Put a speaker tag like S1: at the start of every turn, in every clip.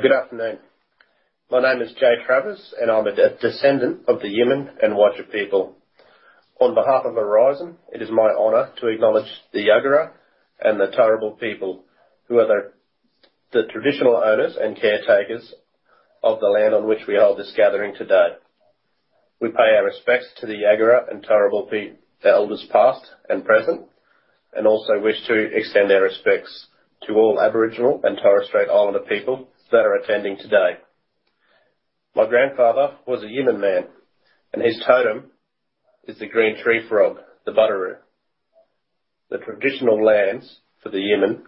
S1: Good afternoon. My name is Jay Travers, and I'm a descendant of the Yiman and Wadja people. On behalf of Aurizon, it is my honor to acknowledge the Jagera and the Turrbal people who are the traditional owners and caretakers of the land on which we hold this gathering today. We pay our respects to the Jagera and Turrbal elders, past and present, and also wish to extend our respects to all Aboriginal and Torres Strait Islander people that are attending today. My grandfather was a Yiman man, and his totem is the green tree frog, the budgeroo. The traditional lands for the Yiman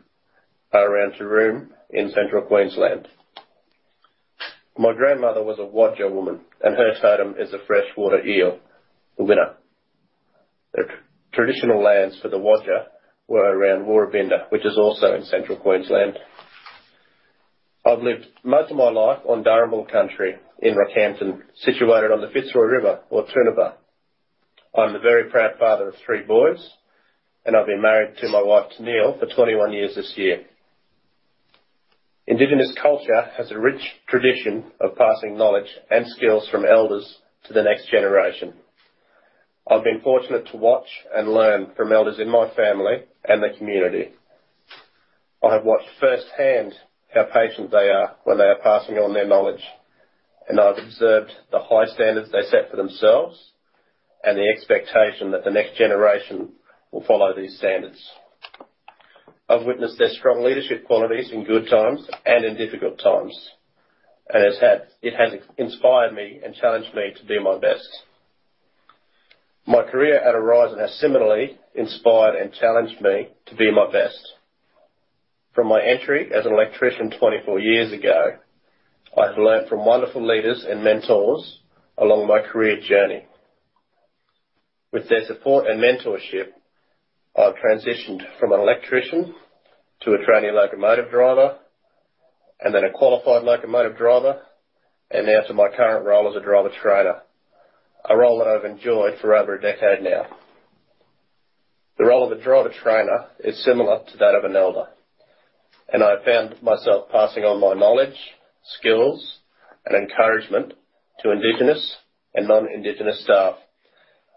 S1: are around Taroom in Central Queensland. My grandmother was a Wadja woman, and her totem is a freshwater eel, the wina. The traditional lands for the Wadja were around Woorabinda, which is also in Central Queensland. I've lived most of my life on Darumbal country in Rockhampton, situated on the Fitzroy River, or Toonooba. I'm the very proud father of three boys, and I've been married to my wife, Neil, for 21 years this year. Indigenous culture has a rich tradition of passing knowledge and skills from elders to the next generation. I've been fortunate to watch and learn from elders in my family and the community. I have watched firsthand how patient they are when they are passing on their knowledge, and I've observed the high standards they set for themselves and the expectation that the next generation will follow these standards. I've witnessed their strong leadership qualities in good times and in difficult times. It has inspired me and challenged me to do my best. My career at Aurizon has similarly inspired and challenged me to do my best. From my entry as an electrician 24 years ago, I've learned from wonderful leaders and mentors along my career journey. With their support and mentorship, I've transitioned from an electrician to a trainee locomotive driver, and then a qualified locomotive driver, and now to my current role as a driver trainer, a role that I've enjoyed for over a decade now. The role of a driver trainer is similar to that of an elder. I found myself passing on my knowledge, skills, and encouragement to indigenous and non-indigenous staff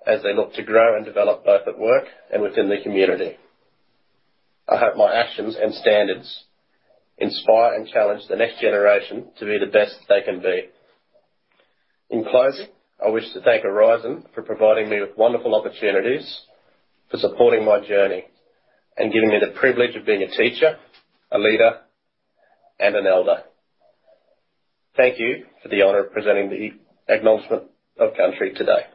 S1: as they look to grow and develop, both at work and within the community. I hope my actions and standards inspire and challenge the next generation to be the best they can be. In closing, I wish to thank Aurizon for providing me with wonderful opportunities, for supporting my journey, and giving me the privilege of being a teacher, a leader, and an elder. Thank you for the honor of presenting the acknowledgment of country today.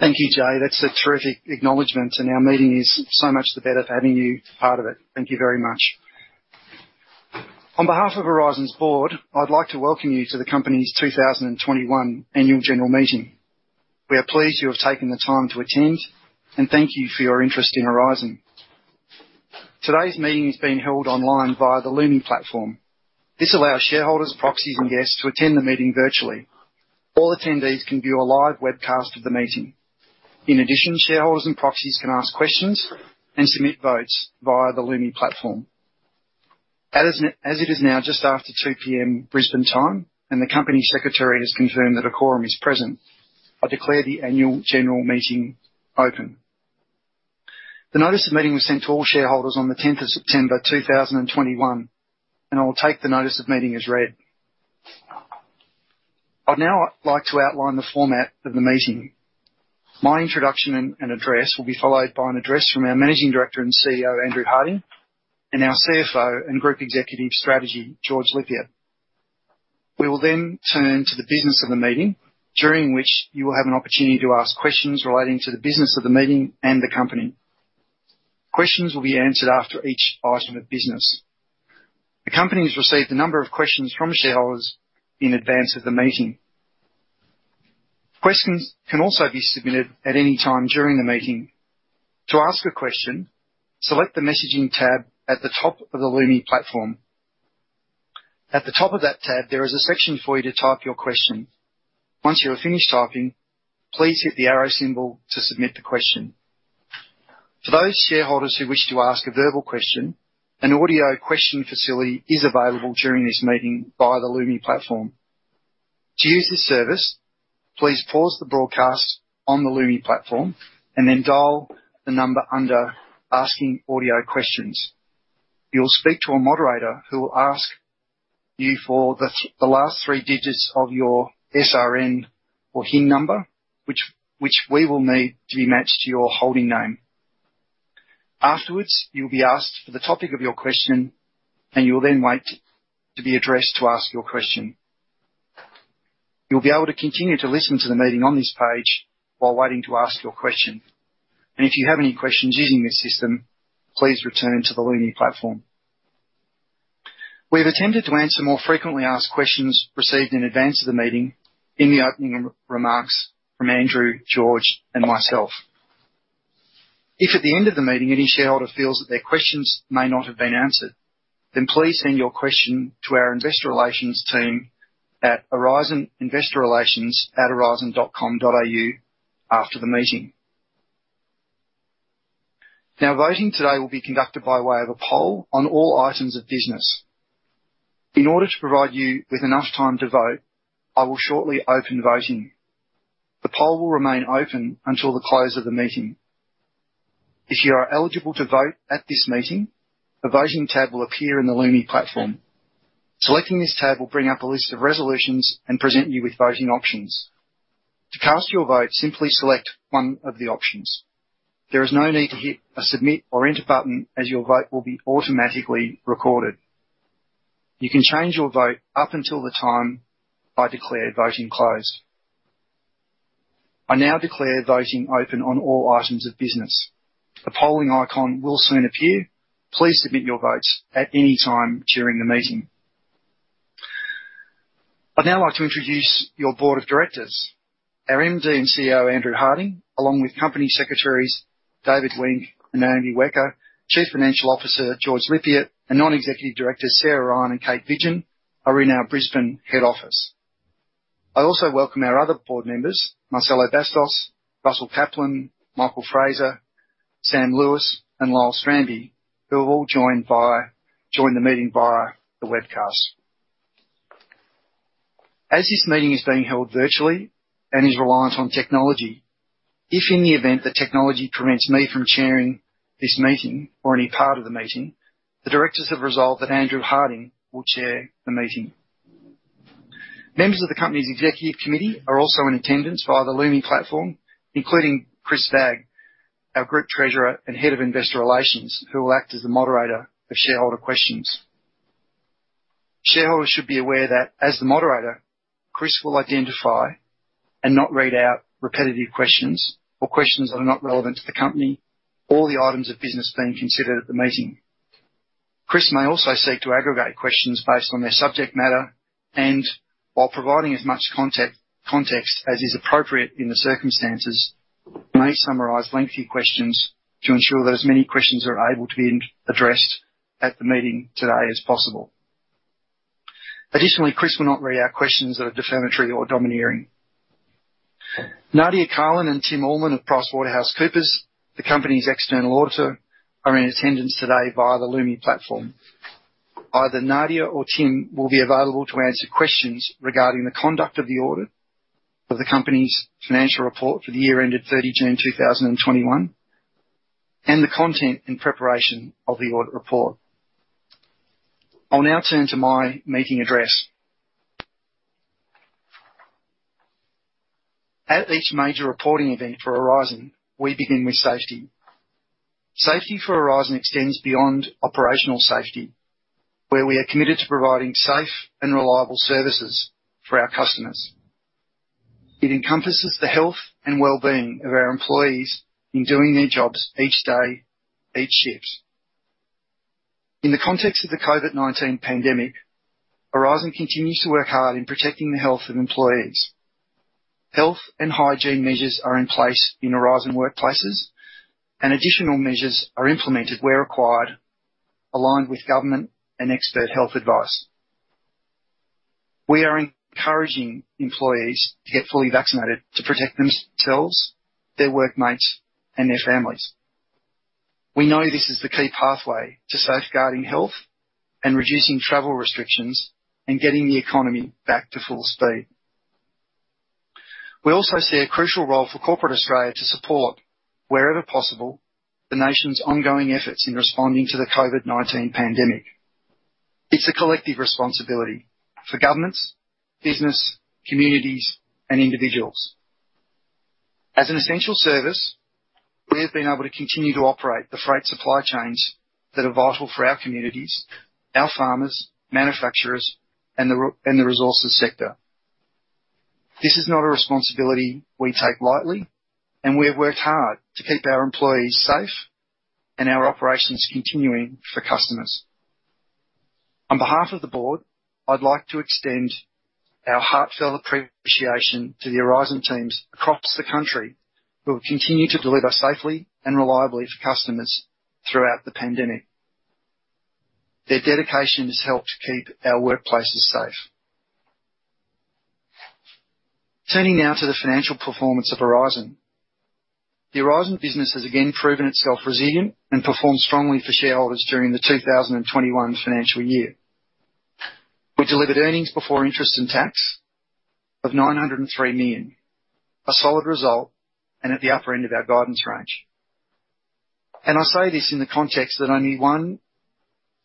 S2: Thank you, Jay. That's a terrific acknowledgment, and our meeting is so much the better for having you part of it. Thank you very much. On behalf of Aurizon's board, I'd like to welcome you to the company's 2021 annual general meeting. We are pleased you have taken the time to attend, and thank you for your interest in Aurizon. Today's meeting is being held online via the Lumi platform. This allows shareholders, proxies, and guests to attend the meeting virtually. All attendees can view a live webcast of the meeting. In addition, shareholders and proxies can ask questions and submit votes via the Lumi platform. As it is now just after 2:00 P.M. Brisbane time, and the company secretary has confirmed that a quorum is present, I declare the annual general meeting open. The notice of meeting was sent to all shareholders on the 10th of September 2021. I will take the notice of meeting as read. I'd now like to outline the format of the meeting. My introduction and address will be followed by an address from our Managing Director and CEO, Andrew Harding, and our CFO and Group Executive Strategy, George Lippiatt. We will turn to the business of the meeting, during which you will have an opportunity to ask questions relating to the business of the meeting and the company. Questions will be answered after each item of business. The company's received a number of questions from shareholders in advance of the meeting. Questions can also be submitted at any time during the meeting. To ask a question, select the messaging tab at the top of the Lumi platform. At the top of that tab, there is a section for you to type your question. Once you are finished typing, please hit the arrow symbol to submit the question. For those shareholders who wish to ask a verbal question, an audio question facility is available during this meeting via the Lumi platform. To use this service, please pause the broadcast on the Lumi platform and then dial the number under asking audio questions. You'll speak to a moderator who will ask you for the last three digits of your SRN or HIN number, which we will need to be matched to your holding name. Afterwards, you'll be asked for the topic of your question, and you will then wait to be addressed to ask your question. You'll be able to continue to listen to the meeting on this page while waiting to ask your question. If you have any questions using this system, please return to the Lumi platform. We've attempted to answer more frequently asked questions received in advance of the meeting in the opening remarks from Andrew, George, and myself. If at the end of the meeting any shareholder feels that their questions may not have been answered, then please send your question to our investor relations team at aurizoninvestorrelations@aurizon.com.au after the meeting. Voting today will be conducted by way of a poll on all items of business. In order to provide you with enough time to vote, I will shortly open voting. The poll will remain open until the close of the meeting. If you are eligible to vote at this meeting, a voting tab will appear in the Lumi platform. Selecting this tab will bring up a list of resolutions and present you with voting options. To cast your vote, simply select one of the options. There is no need to hit a submit or enter button as your vote will be automatically recorded. You can change your vote up until the time I declare voting closed. I now declare voting open on all items of business. A polling icon will soon appear. Please submit your votes at any time during the meeting. I would now like to introduce your board of directors. Our MD and CEO, Andrew Harding, along with Company Secretaries David Wenck and Naomi Wecker, Chief Financial Officer George Lippiatt, and Non-Executive Directors Sarah Ryan and Kate Vidgen are in our Brisbane head office. I also welcome our other board members, Marcelo Bastos, Russell Caplan, Michael Fraser, Sam Lewis and Lyell Strambi, who have all joined the meeting via the webcast. As this meeting is being held virtually and is reliant on technology, if in the event the technology prevents me from chairing this meeting or any part of the meeting, the directors have resolved that Andrew Harding will chair the meeting. Members of the company's executive committee are also in attendance via the Lumi platform, including Chris Vagg, our group treasurer and head of investor relations, who will act as the moderator of shareholder questions. Shareholders should be aware that as the moderator, Chris will identify and not read out repetitive questions or questions that are not relevant to the company or the items of business being considered at the meeting. Chris may also seek to aggregate questions based on their subject matter and while providing as much context as is appropriate in the circumstances, may summarize lengthy questions to ensure that as many questions are able to be addressed at the meeting today as possible. Additionally, Chris will not read out questions that are defamatory or domineering. Nadia Carlin and Tim Allman of PricewaterhouseCoopers, the company's external auditor, are in attendance today via the Lumi platform. Either Nadia or Tim will be available to answer questions regarding the conduct of the audit of the company's financial report for the year ended 30 June 2021, and the content and preparation of the audit report. I'll now turn to my meeting address. At each major reporting event for Aurizon, we begin with safety. Safety for Aurizon extends beyond operational safety, where we are committed to providing safe and reliable services for our customers. It encompasses the health and well-being of our employees in doing their jobs each day, each shift. In the context of the COVID-19 pandemic, Aurizon continues to work hard in protecting the health of employees. Health and hygiene measures are in place in Aurizon workplaces, and additional measures are implemented where required, aligned with government and expert health advice. We are encouraging employees to get fully vaccinated to protect themselves, their workmates, and their families. We know this is the key pathway to safeguarding health and reducing travel restrictions and getting the economy back to full speed. We also see a crucial role for corporate Australia to support, wherever possible, the nation's ongoing efforts in responding to the COVID-19 pandemic. It's a collective responsibility for governments, business, communities, and individuals. As an essential service, we have been able to continue to operate the freight supply chains that are vital for our communities, our farmers, manufacturers, and the resources sector. This is not a responsibility we take lightly, and we have worked hard to keep our employees safe and our operations continuing for customers. On behalf of the board, I'd like to extend our heartfelt appreciation to the Aurizon teams across the country who have continued to deliver safely and reliably for customers throughout the pandemic. Their dedication has helped keep our workplaces safe. Turning now to the financial performance of Aurizon. The Aurizon business has again proven itself resilient and performed strongly for shareholders during the 2021 financial year. We delivered earnings before interest and tax of 903 million. A solid result and at the upper end of our guidance range. I say this in the context that only one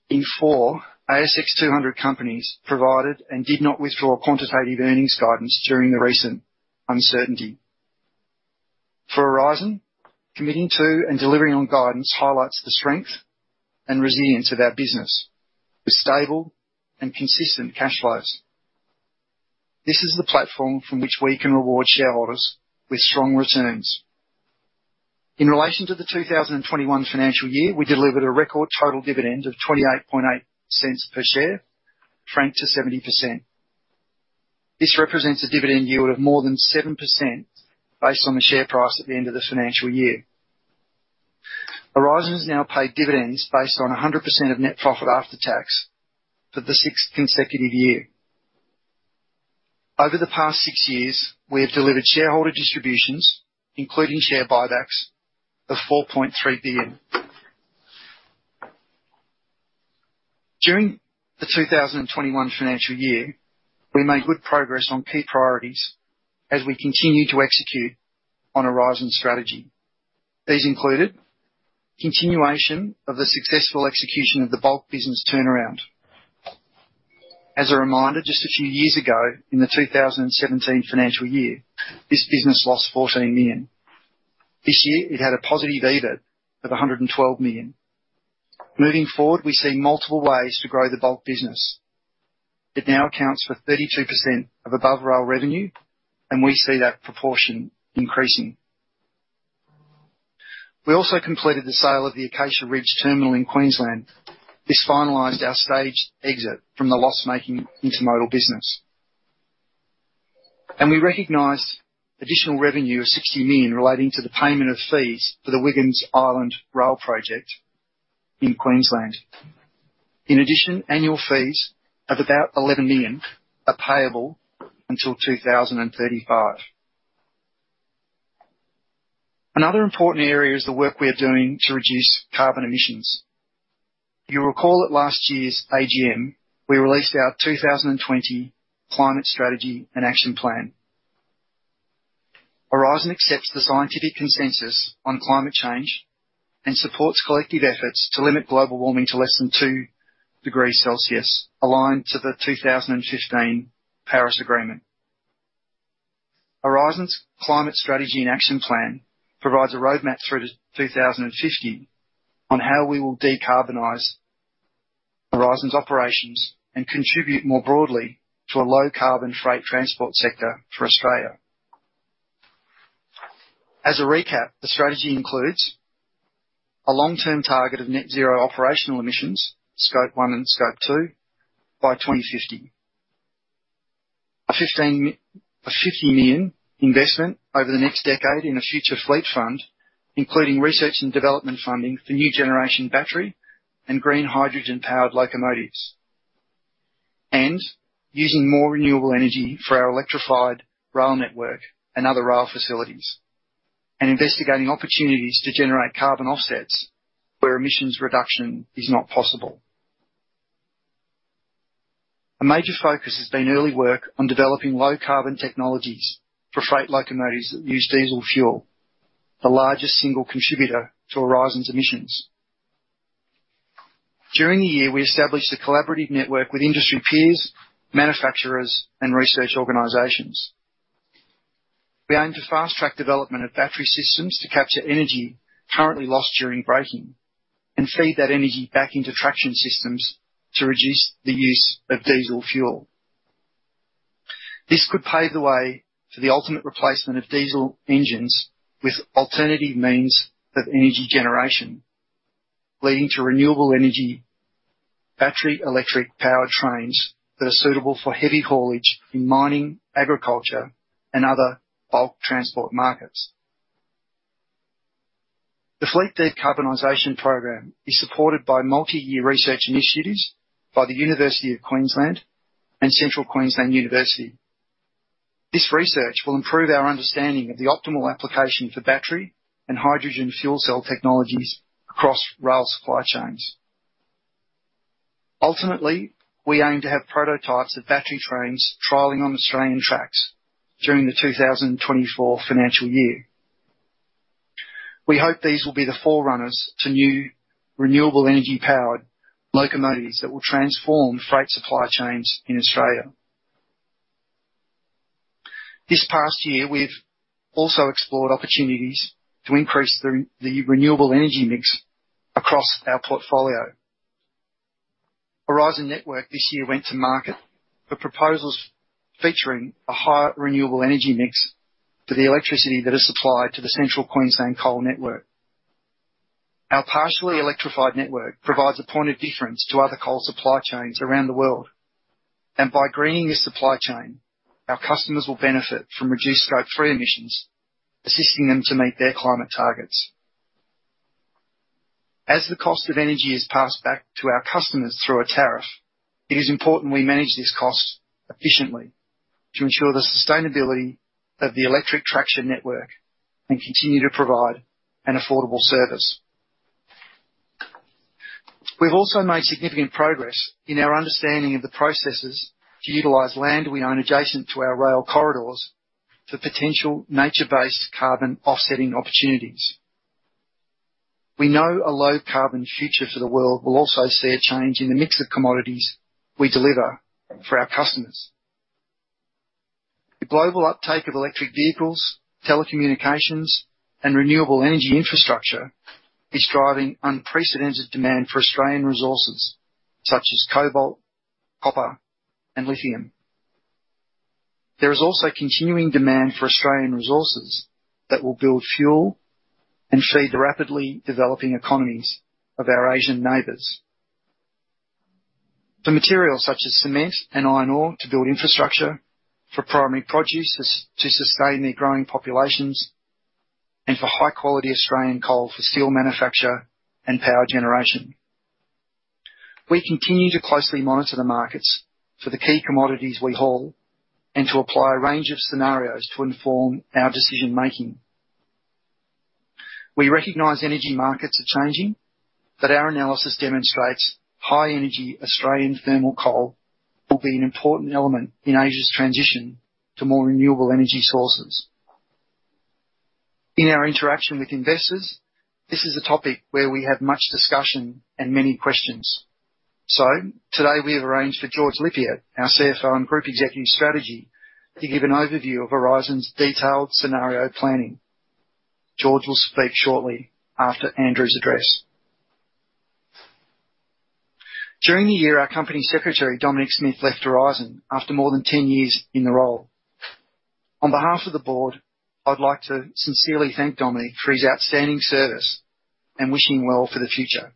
S2: in four ASX 200 companies provided and did not withdraw quantitative earnings guidance during the recent uncertainty. For Aurizon, committing to and delivering on guidance highlights the strength and resilience of our business with stable and consistent cash flows. This is the platform from which we can reward shareholders with strong returns. In relation to the 2021 financial year, we delivered a record total dividend of 0.288 per share, franked to 70%. This represents a dividend yield of more than 7% based on the share price at the end of the financial year. Aurizon has now paid dividends based on 100% of net profit after tax for the sixth consecutive year. Over the past six years, we have delivered shareholder distributions, including share buybacks, of 4.3 billion. During the 2021 financial year, we made good progress on key priorities as we continue to execute on Aurizon's strategy. These included continuation of the successful execution of the Bulk business turnaround. As a reminder, just a few years ago, in the 2017 financial year, this business lost 14 million. This year it had a positive EBIT of 112 million. Moving forward, we see multiple ways to grow the Bulk business. It now accounts for 32% of above rail revenue, we see that proportion increasing. We also completed the sale of the Acacia Ridge Terminal in Queensland. This finalized our staged exit from the loss-making intermodal business. We recognized additional revenue of 60 million relating to the payment of fees for the Wiggins Island rail project in Queensland. In addition, annual fees of about 11 million are payable until 2035. Another important area is the work we are doing to reduce carbon emissions. You will recall at last year's AGM, we released our 2020 Climate Strategy and Action Plan. Aurizon accepts the scientific consensus on climate change and supports collective efforts to limit global warming to less than two degrees Celsius, aligned to the 2015 Paris Agreement. Aurizon's Climate Strategy and Action Plan provides a roadmap through to 2050 on how we will decarbonize Aurizon's operations and contribute more broadly to a low-carbon freight transport sector for Australia. As a recap, the strategy includes a long-term target of net zero operational emissions, scope one and scope two, by 2050. An 50 million investment over the next decade in a Future Fleet Fund, including research and development funding for new generation battery and green hydrogen-powered locomotives. Using more renewable energy for our electrified rail network and other rail facilities. Investigating opportunities to generate carbon offsets where emissions reduction is not possible. A major focus has been early work on developing low-carbon technologies for freight locomotives that use diesel fuel, the largest single contributor to Aurizon's emissions. During the year, we established a collaborative network with industry peers, manufacturers, and research organizations. We aim to fast-track development of battery systems to capture energy currently lost during braking and feed that energy back into traction systems to reduce the use of diesel fuel. This could pave the way for the ultimate replacement of diesel engines with alternative means of energy generation, leading to renewable energy battery electric powertrains that are suitable for heavy haulage in mining, agriculture, and other bulk transport markets. The fleet decarbonization program is supported by multi-year research initiatives by The University of Queensland and Central Queensland University. This research will improve our understanding of the optimal application for battery and hydrogen fuel cell technologies across rail supply chains. Ultimately, we aim to have prototypes of battery trains trialing on Australian tracks during the 2024 financial year. We hope these will be the forerunners to new renewable energy-powered locomotives that will transform freight supply chains in Australia. This past year, we've also explored opportunities to increase the renewable energy mix across our portfolio. Aurizon network this year went to market for proposals featuring a higher renewable energy mix for the electricity that is supplied to the Central Queensland coal network. Our partially electrified network provides a point of difference to other coal supply chains around the world. By greening this supply chain, our customers will benefit from reduced scope three emissions, assisting them to meet their climate targets. As the cost of energy is passed back to our customers through a tariff, it is important we manage this cost efficiently to ensure the sustainability of the electric traction network and continue to provide an affordable service. We've also made significant progress in our understanding of the processes to utilize land we own adjacent to our rail corridors for potential nature-based carbon offsetting opportunities. We know a low-carbon future for the world will also see a change in the mix of commodities we deliver for our customers. The global uptake of electric vehicles, telecommunications, and renewable energy infrastructure is driving unprecedented demand for Australian resources such as cobalt, copper, and lithium. There is also continuing demand for Australian resources that will build fuel and feed the rapidly developing economies of our Asian neighbors. For materials such as cement and iron ore to build infrastructure, for primary produce to sustain their growing populations, and for high-quality Australian coal for steel manufacture and power generation. We continue to closely monitor the markets for the key commodities we haul and to apply a range of scenarios to inform our decision-making. We recognize energy markets are changing, our analysis demonstrates high energy Australian thermal coal will be an important element in Asia's transition to more renewable energy sources. In our interaction with investors, this is a topic where we have much discussion and many questions. Today, we have arranged for George Lippiatt, our CFO and Group Executive Strategy, to give an overview of Aurizon's detailed scenario planning. George will speak shortly after Andrew's address. During the year, our company secretary, Dominic Smith, left Aurizon after more than 10 years in the role. On behalf of the board, I'd like to sincerely thank Dominic for his outstanding service and wish him well for the future.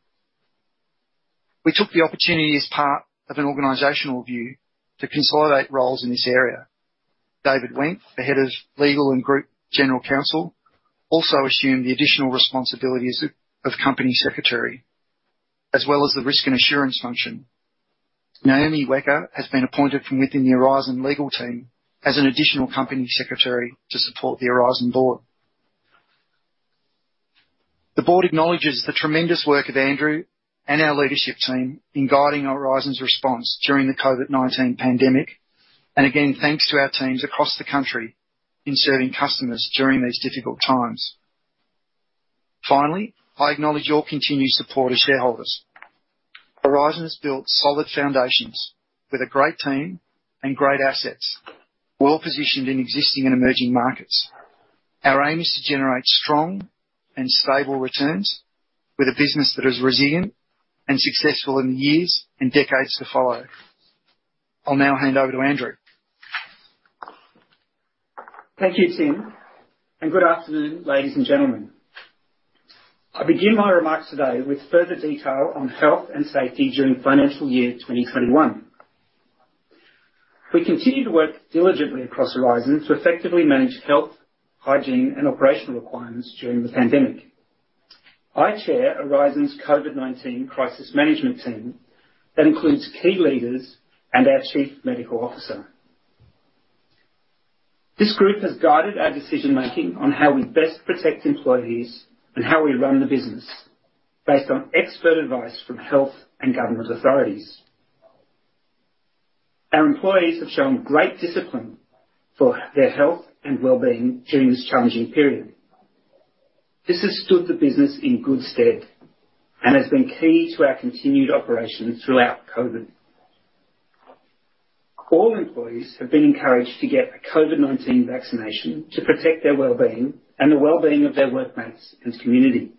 S2: We took the opportunity as part of an organizational view to consolidate roles in this area. David Wenck, the head of legal and group general counsel, also assumed the additional responsibilities of company secretary, as well as the risk and assurance function. Naomi Wecker has been appointed from within the Aurizon legal team as an additional company secretary to support the Aurizon board. The board acknowledges the tremendous work of Andrew and our leadership team in guiding Aurizon's response during the COVID-19 pandemic. Again, thanks to our teams across the country in serving customers during these difficult times. Finally, I acknowledge your continued support as shareholders. Aurizon has built solid foundations with a great team and great assets, well positioned in existing and emerging markets. Our aim is to generate strong and stable returns with a business that is resilient and successful in the years and decades to follow. I'll now hand over to Andrew.
S3: Thank you, Tim. Good afternoon, ladies and gentlemen. I begin my remarks today with further detail on health and safety during financial year 2021. We continue to work diligently across Aurizon to effectively manage health, hygiene, and operational requirements during the pandemic. I chair Aurizon's COVID-19 crisis management team that includes key leaders and our chief medical officer. This group has guided our decision-making on how we best protect employees and how we run the business based on expert advice from health and government authorities. Our employees have shown great discipline for their health and wellbeing during this challenging period. This has stood the business in good stead and has been key to our continued operations throughout COVID. All employees have been encouraged to get a COVID-19 vaccination to protect their wellbeing and the wellbeing of their workmates and community.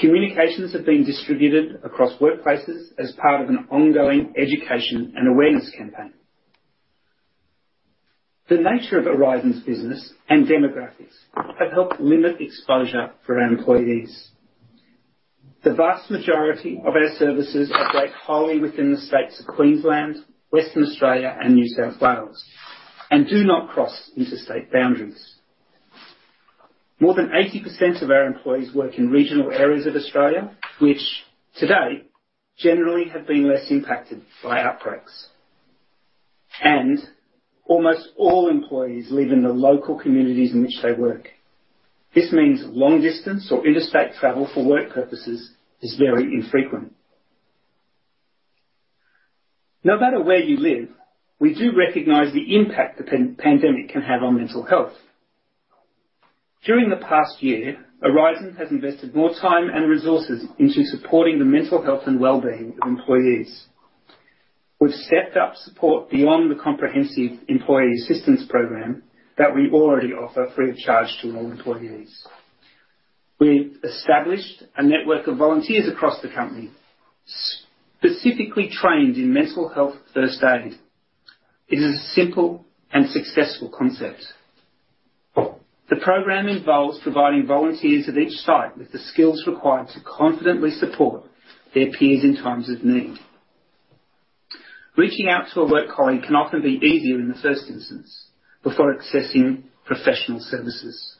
S3: Communications have been distributed across workplaces as part of an ongoing education and awareness campaign. The nature of Aurizon's business and demographics have helped limit exposure for our employees. The vast majority of our services operate wholly within the states of Queensland, Western Australia, and New South Wales, and do not cross interstate boundaries. More than 80% of our employees work in regional areas of Australia, which today generally have been less impacted by outbreaks, and almost all employees live in the local communities in which they work. This means long distance or interstate travel for work purposes is very infrequent. No matter where you live, we do recognize the impact the pandemic can have on mental health. During the past year, Aurizon has invested more time and resources into supporting the mental health and wellbeing of employees. We've stepped up support beyond the comprehensive employee assistance program that we already offer free of charge to all employees. We've established a network of volunteers across the company, specifically trained in mental health first aid. It is a simple and successful concept. The program involves providing volunteers at each site with the skills required to confidently support their peers in times of need. Reaching out to a work colleague can often be easier in the first instance before accessing professional services.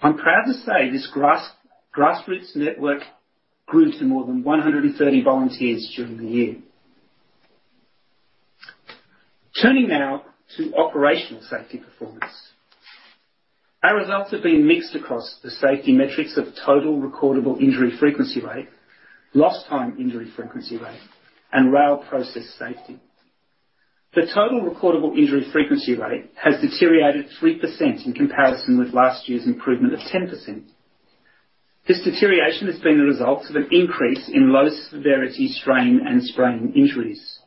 S3: I'm proud to say this grassroots network grew to more than 130 volunteers during the year. Turning now to operational safety performance. Our results have been mixed across the safety metrics of total recordable injury frequency rate, lost time injury frequency rate, and rail process safety. The total recordable injury frequency rate has deteriorated 3% in comparison with last year's improvement of 10%. This deterioration has been the result of an increase in low-severity strain and sprain injuries.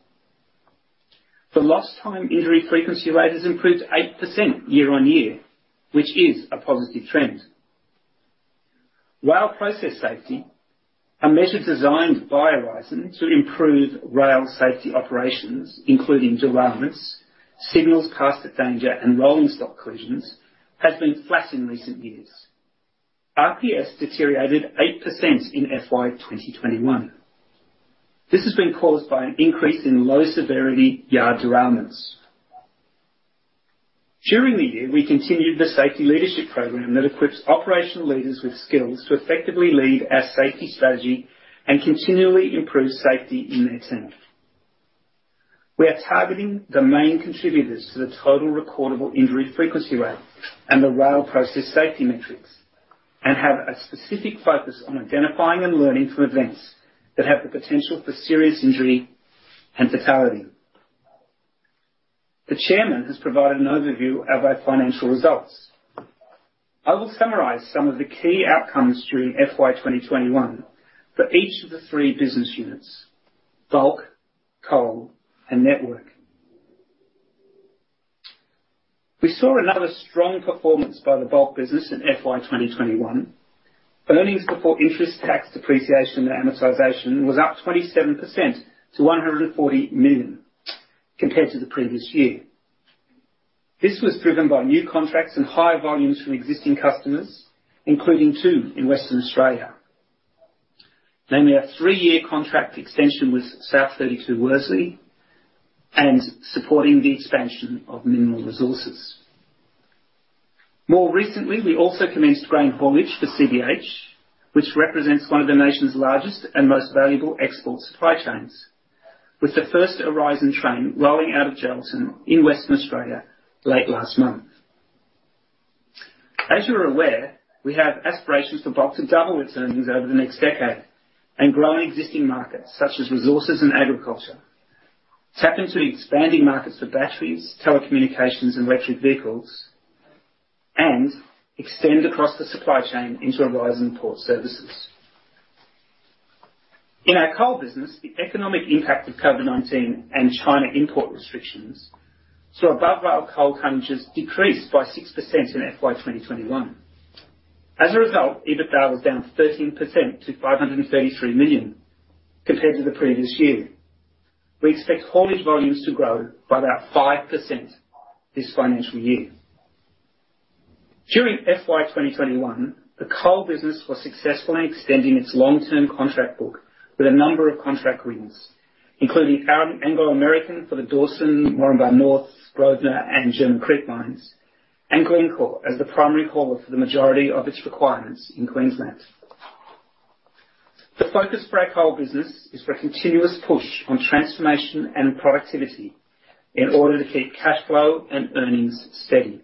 S3: The lost time injury frequency rate has improved 8% year-on-year, which is a positive trend. Rail process safety, a measure designed by Aurizon to improve rail safety operations, including derailments, signals past danger, and rolling stock collisions, has been flat in recent years. RPS deteriorated 8% in FY 2021. This has been caused by an increase in low-severity yard derailments. During the year, we continued the safety leadership program that equips operational leaders with skills to effectively lead our safety strategy and continually improve safety in their teams. We are targeting the main contributors to the total recordable injury frequency rate and the rail process safety metrics, and have a specific focus on identifying and learning from events that have the potential for serious injury and fatality. The chairman has provided an overview of our financial results. I will summarize some of the key outcomes during FY 2021 for each of the three business units, Bulk, Coal, and Network. We saw another strong performance by the Bulk business in FY 2021. Earnings before interest, tax, depreciation, and amortization was up 27% to 140 million compared to the previous year. This was driven by new contracts and high volumes from existing customers, including two in Western Australia, namely our three-year contract extension with South32 Worsley Alumina and supporting the expansion of Mineral Resources. More recently, we also commenced grain haulage for CBH Group, which represents one of the nation's largest and most valuable export supply chains. With the first Aurizon train rolling out of Kellerberrin in Western Australia late last month. As you are aware, we have aspirations to box and double its earnings over the next decade and grow in existing markets such as resources and agriculture, tap into the expanding markets for batteries, telecommunications, and electric vehicles, and extend across the supply chain into Aurizon port services. In our coal business, the economic impact of COVID-19 and China import restrictions saw above rail coal tonnages decrease by 6% in FY 2021. As a result, EBITDA was down 13% to 533 million compared to the previous year. We expect haulage volumes to grow by about 5% this financial year. During FY 2021, the coal business was successful in extending its long-term contract book with a number of contract wins, including Anglo American for the Dawson, Moranbah North, Grosvenor, and German Creek mines, and Glencore as the primary hauler for the majority of its requirements in Queensland. The focus for our coal business is for a continuous push on transformation and productivity in order to keep cash flow and earnings steady.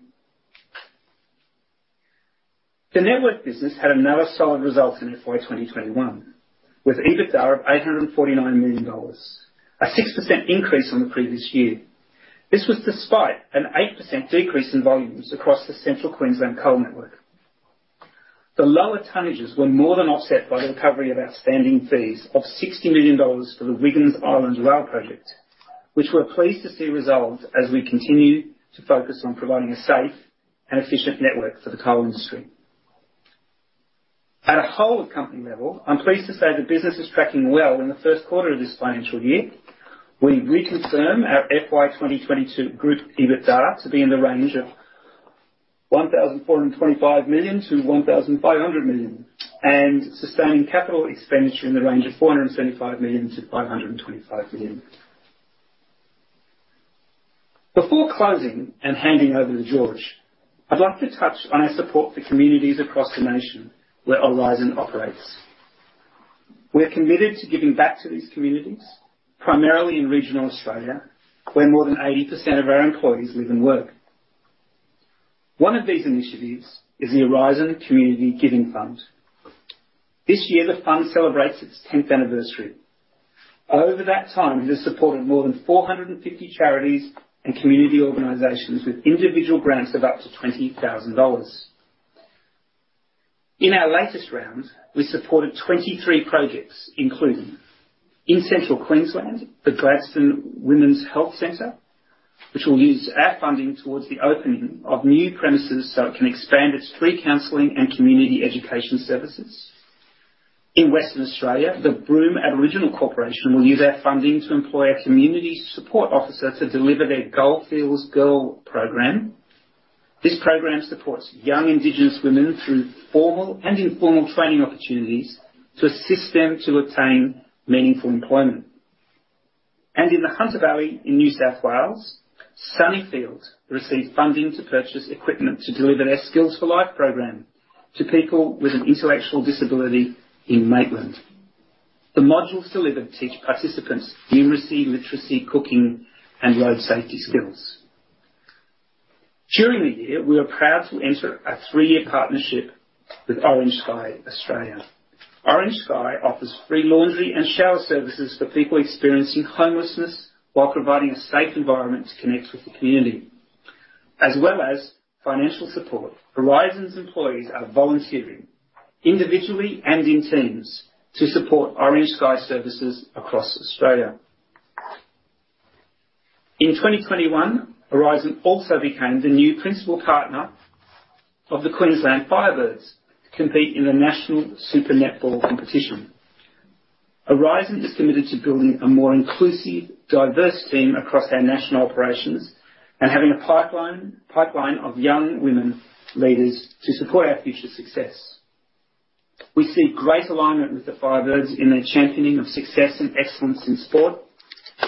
S3: The network business had another solid result in FY 2021 with EBITDA of 849 million dollars, a 6% increase on the previous year. This was despite an 8% decrease in volumes across the Central Queensland coal network. The lower tonnages were more than offset by the recovery of outstanding fees of 60 million dollars for the Wiggins Island Rail Project, which we're pleased to see resolved as we continue to focus on providing a safe and efficient network for the coal industry. At a whole company level, I'm pleased to say the business is tracking well in the first quarter of this financial year. We reconfirm our FY 2022 group EBITDA to be in the range of 1,425 million-1,500 million, and sustaining capital expenditure in the range of 475 million-525 million. Before closing and handing over to George, I'd like to touch on our support for communities across the nation where Aurizon operates. We're committed to giving back to these communities, primarily in regional Australia, where more than 80% of our employees live and work. One of these initiatives is the Aurizon Community Giving Fund. This year, the fund celebrates its 10th anniversary. Over that time, it has supported more than 450 charities and community organizations with individual grants of up to 20,000 dollars. In our latest round, we supported 23 projects, including in Central Queensland, the Gladstone Women's Health Centre, which will use our funding towards the opening of new premises so it can expand its free counseling and community education services. In Western Australia, the Broome Aboriginal Corporation will use our funding to employ a community support officer to deliver their Goldfields Girl program. This program supports young Indigenous women through formal and informal training opportunities to assist them to obtain meaningful employment. In the Hunter Valley in New South Wales, Sunnyfields received funding to purchase equipment to deliver their Skills for Life program to people with an intellectual disability in Maitland. The modules delivered teach participants numeracy, literacy, cooking, and road safety skills. During the year, we were proud to enter a three-year partnership with Orange Sky Australia. Orange Sky offers free laundry and shower services for people experiencing homelessness while providing a safe environment to connect with the community. As well as financial support, Aurizon's employees are volunteering individually and in teams to support Orange Sky services across Australia. In 2021, Aurizon also became the new principal partner of the Queensland Firebirds to compete in the Suncorp Super Netball competition. Aurizon is committed to building a more inclusive, diverse team across our national operations and having a pipeline of young women leaders to support our future success. We see great alignment with the Firebirds in their championing of success and excellence in sport,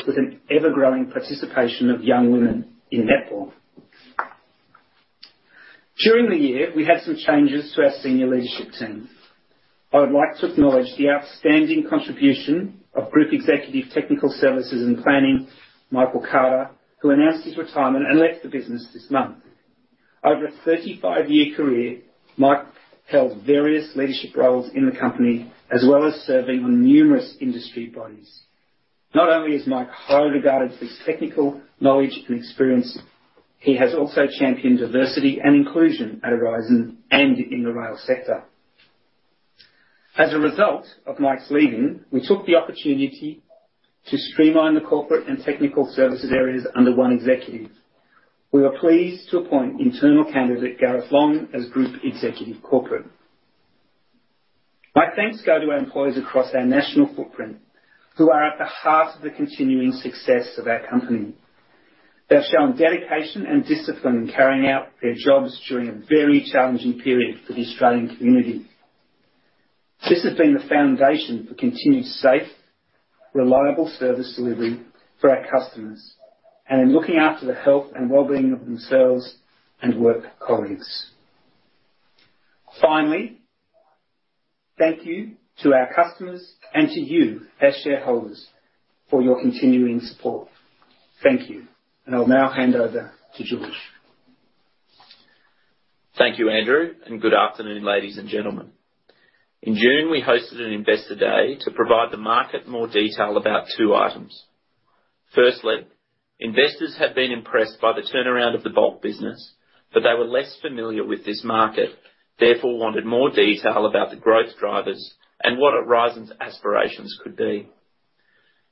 S3: with an ever-growing participation of young women in netball. During the year, we had some changes to our senior leadership team. I would like to acknowledge the outstanding contribution of Group Executive Technical Services and Planning, Michael Carter, who announced his retirement and left the business this month. Over a 35-year career, Mike held various leadership roles in the company, as well as serving on numerous industry bodies. Not only is Mike highly regarded for his technical knowledge and experience, he has also championed diversity and inclusion at Aurizon and in the rail sector. As a result of Mike's leaving, we took the opportunity to streamline the corporate and technical services areas under one executive. We were pleased to appoint internal candidate Gareth Long as Group Executive Corporate. My thanks go to our employees across our national footprint who are at the heart of the continuing success of our company. They've shown dedication and discipline in carrying out their jobs during a very challenging period for the Australian community. This has been the foundation for continued safe, reliable service delivery for our customers, and in looking after the health and wellbeing of themselves and work colleagues. Finally, thank you to our customers and to you, as shareholders, for your continuing support. Thank you. I'll now hand over to George.
S4: Thank you, Andrew, and good afternoon, ladies and gentlemen. In June, we hosted an Investor Day to provide the market more detail about two items. Firstly, investors have been impressed by the turnaround of the bulk business, but they were less familiar with this market, therefore wanted more detail about the growth drivers and what Aurizon's aspirations could be.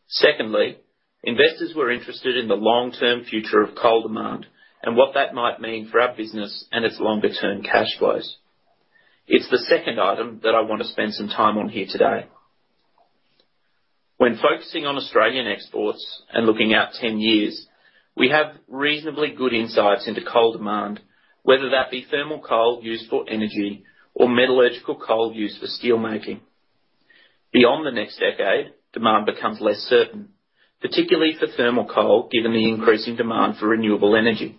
S4: Secondly, investors were interested in the long-term future of coal demand and what that might mean for our business and its longer-term cash flows. It's the second item that I want to spend some time on here today. When focusing on Australian exports and looking out 10 years, we have reasonably good insights into coal demand, whether that be thermal coal used for energy or metallurgical coal used for steel-making. Beyond the next decade, demand becomes less certain, particularly for thermal coal, given the increasing demand for renewable energy.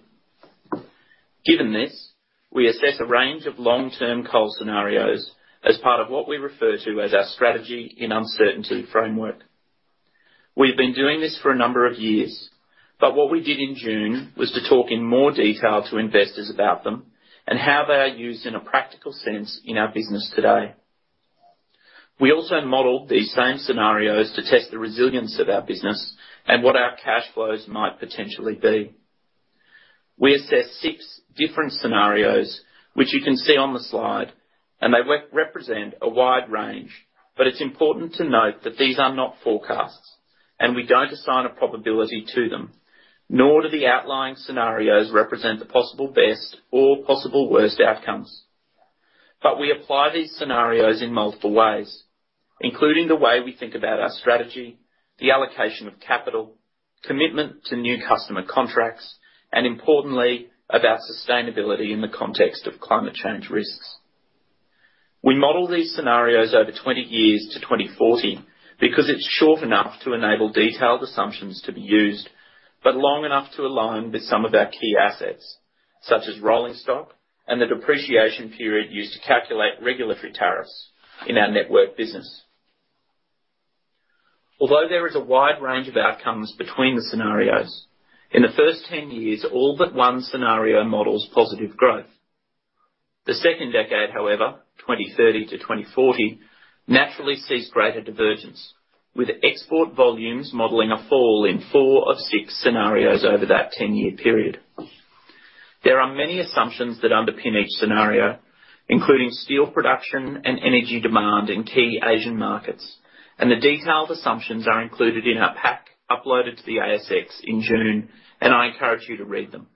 S4: Given this, we assess a range of long-term coal scenarios as part of what we refer to as our strategy in uncertainty framework. We've been doing this for a number of years, but what we did in June was to talk in more detail to investors about them and how they are used in a practical sense in our business today. We also modeled these same scenarios to test the resilience of our business and what our cash flows might potentially be. We assess six different scenarios, which you can see on the slide, and they represent a wide range. It's important to note that these are not forecasts, and we don't assign a probability to them. Nor do the outlying scenarios represent the possible best or possible worst outcomes. We apply these scenarios in multiple ways, including the way we think about our strategy, the allocation of capital, commitment to new customer contracts, and importantly, about sustainability in the context of climate change risks. We model these scenarios over 20 years to 2040 because it's short enough to enable detailed assumptions to be used, but long enough to align with some of our key assets, such as rolling stock and the depreciation period used to calculate regulatory tariffs in our network business. Although there is a wide range of outcomes between the scenarios, in the first 10 years, all but one scenario models positive growth. The second decade, however, 2030 to 2040, naturally sees greater divergence, with export volumes modeling a fall in four of six scenarios over that 10-year period. There are many assumptions that underpin each scenario, including steel production and energy demand in key Asian markets, and the detailed assumptions are included in our pack uploaded to the ASX in June, and I encourage you to read them.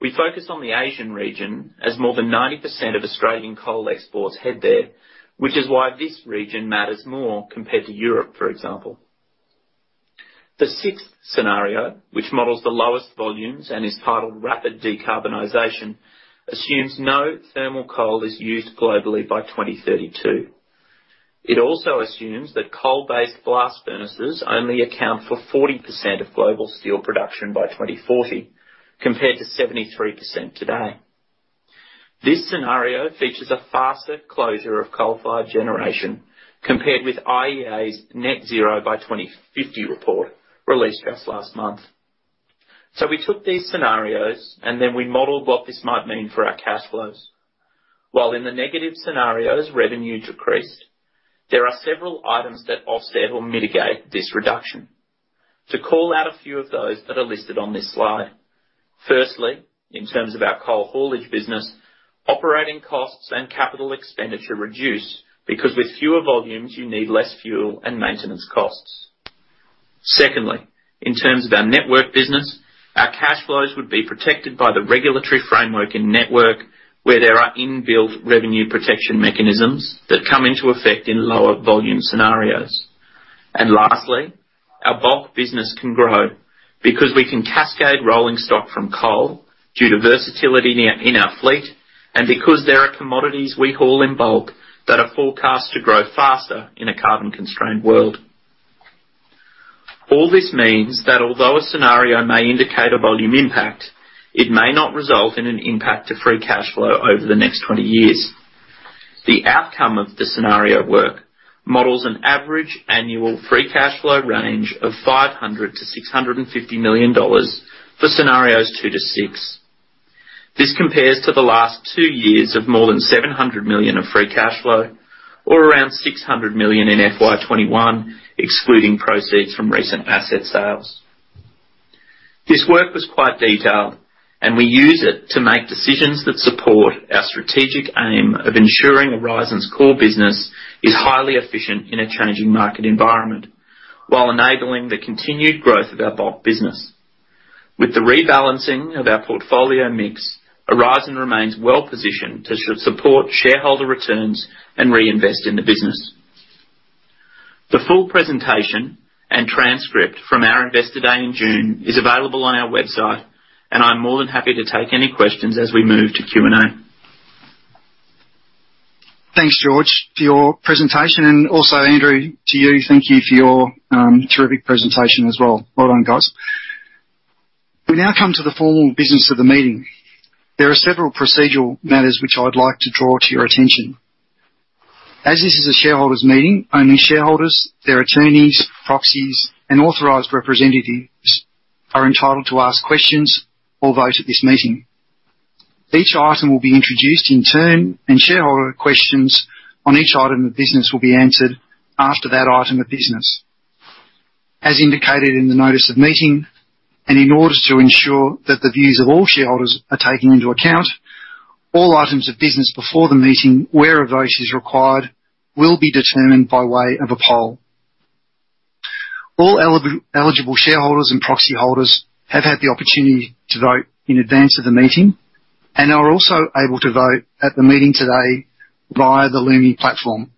S4: We focus on the Asian region as more than 90% of Australian coal exports head there, which is why this region matters more compared to Europe, for example. The sixth scenario, which models the lowest volumes and is titled Rapid Decarbonization, assumes no thermal coal is used globally by 2032. It also assumes that coal-based blast furnaces only account for 40% of global steel production by 2040, compared to 73% today. This scenario features a faster closure of coal-fired generation compared with IEA's Net Zero by 2050 report released just last month. We took these scenarios and then we modeled what this might mean for our cash flows. While in the negative scenarios revenue decreased, there are several items that offset or mitigate this reduction. To call out a few of those that are listed on this slide. Firstly, in terms of our coal haulage business, operating costs and capital expenditure reduce because with fewer volumes, you need less fuel and maintenance costs. Secondly, in terms of our network business, our cash flows would be protected by the regulatory framework and network where there are inbuilt revenue protection mechanisms that come into effect in lower volume scenarios. Lastly, our bulk business can grow because we can cascade rolling stock from coal due to versatility in our fleet, and because there are commodities we haul in bulk that are forecast to grow faster in a carbon-constrained world. All this means that although a scenario may indicate a volume impact, it may not result in an impact to free cash flow over the next 20 years. The outcome of the scenario work models an average annual free cash flow range of 500 million-650 million dollars for scenarios two to six. This compares to the last two years of more than 700 million of free cash flow, or around 600 million in FY 2021, excluding proceeds from recent asset sales. This work was quite detailed. We use it to make decisions that support our strategic aim of ensuring Aurizon's core business is highly efficient in a changing market environment, while enabling the continued growth of our bulk business. With the rebalancing of our portfolio mix, Aurizon remains well-positioned to support shareholder returns and reinvest in the business. The full presentation and transcript from our investor day in June is available on our website, and I'm more than happy to take any questions as we move to Q&A.
S2: Thanks, George, for your presentation, also Andrew, to you, thank you for your terrific presentation as well. Well done, guys. We now come to the formal business of the meeting. There are several procedural matters which I'd like to draw to your attention. As this is a shareholders' meeting, only shareholders, their attorneys, proxies, and authorized representatives are entitled to ask questions or vote at this meeting. Each item will be introduced in turn, and shareholder questions on each item of business will be answered after that item of business. As indicated in the notice of meeting, in order to ensure that the views of all shareholders are taken into account, all items of business before the meeting, where a vote is required, will be determined by way of a poll. All eligible shareholders and proxy holders have had the opportunity to vote in advance of the meeting and are also able to vote at the meeting today via the Lumi platform.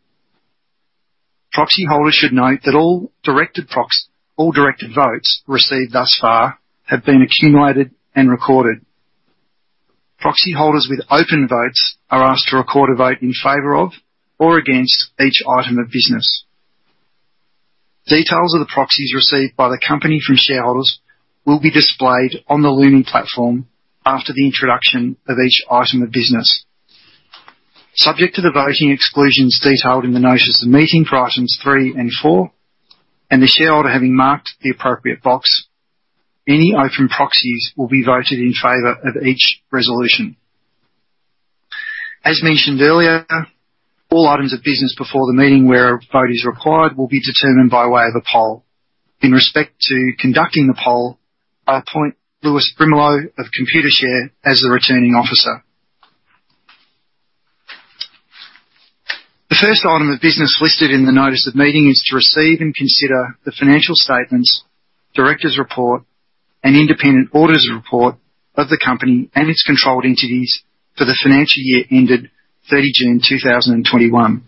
S2: Proxy holders should note that all directed votes received thus far have been accumulated and recorded. Proxy holders with open votes are asked to record a vote in favor of or against each item of business. Details of the proxies received by the company from shareholders will be displayed on the Lumi platform after the introduction of each item of business. Subject to the voting exclusions detailed in the notice of the meeting for items 3 and 4, and the shareholder having marked the appropriate box, any open proxies will be voted in favor of each resolution. As mentioned earlier, all items of business before the meeting where a vote is required will be determined by way of a poll. In respect to conducting the poll, I appoint Lewis Brimelow of Computershare as the returning officer. The first item of business listed in the notice of meeting is to receive and consider the financial statements, directors' report, and independent auditor's report of the company and its controlled entities for the financial year ended 30 June 2021.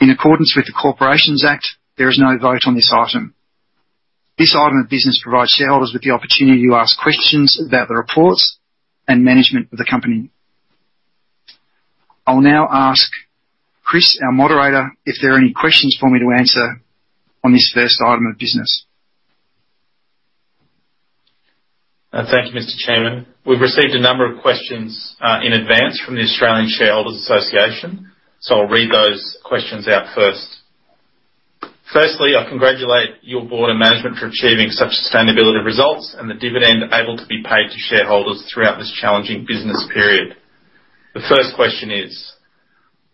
S2: In accordance with the Corporations Act, there is no vote on this item. This item of business provides shareholders with the opportunity to ask questions about the reports and management of the company. I'll now ask Chris, our moderator, if there are any questions for me to answer on this first item of business.
S5: Thank you, Mr. Chairman. We've received a number of questions in advance from the Australian Shareholders' Association. I'll read those questions out first. Firstly, I congratulate your board and management for achieving such sustainability results and the dividend able to be paid to shareholders throughout this challenging business period. The first question is,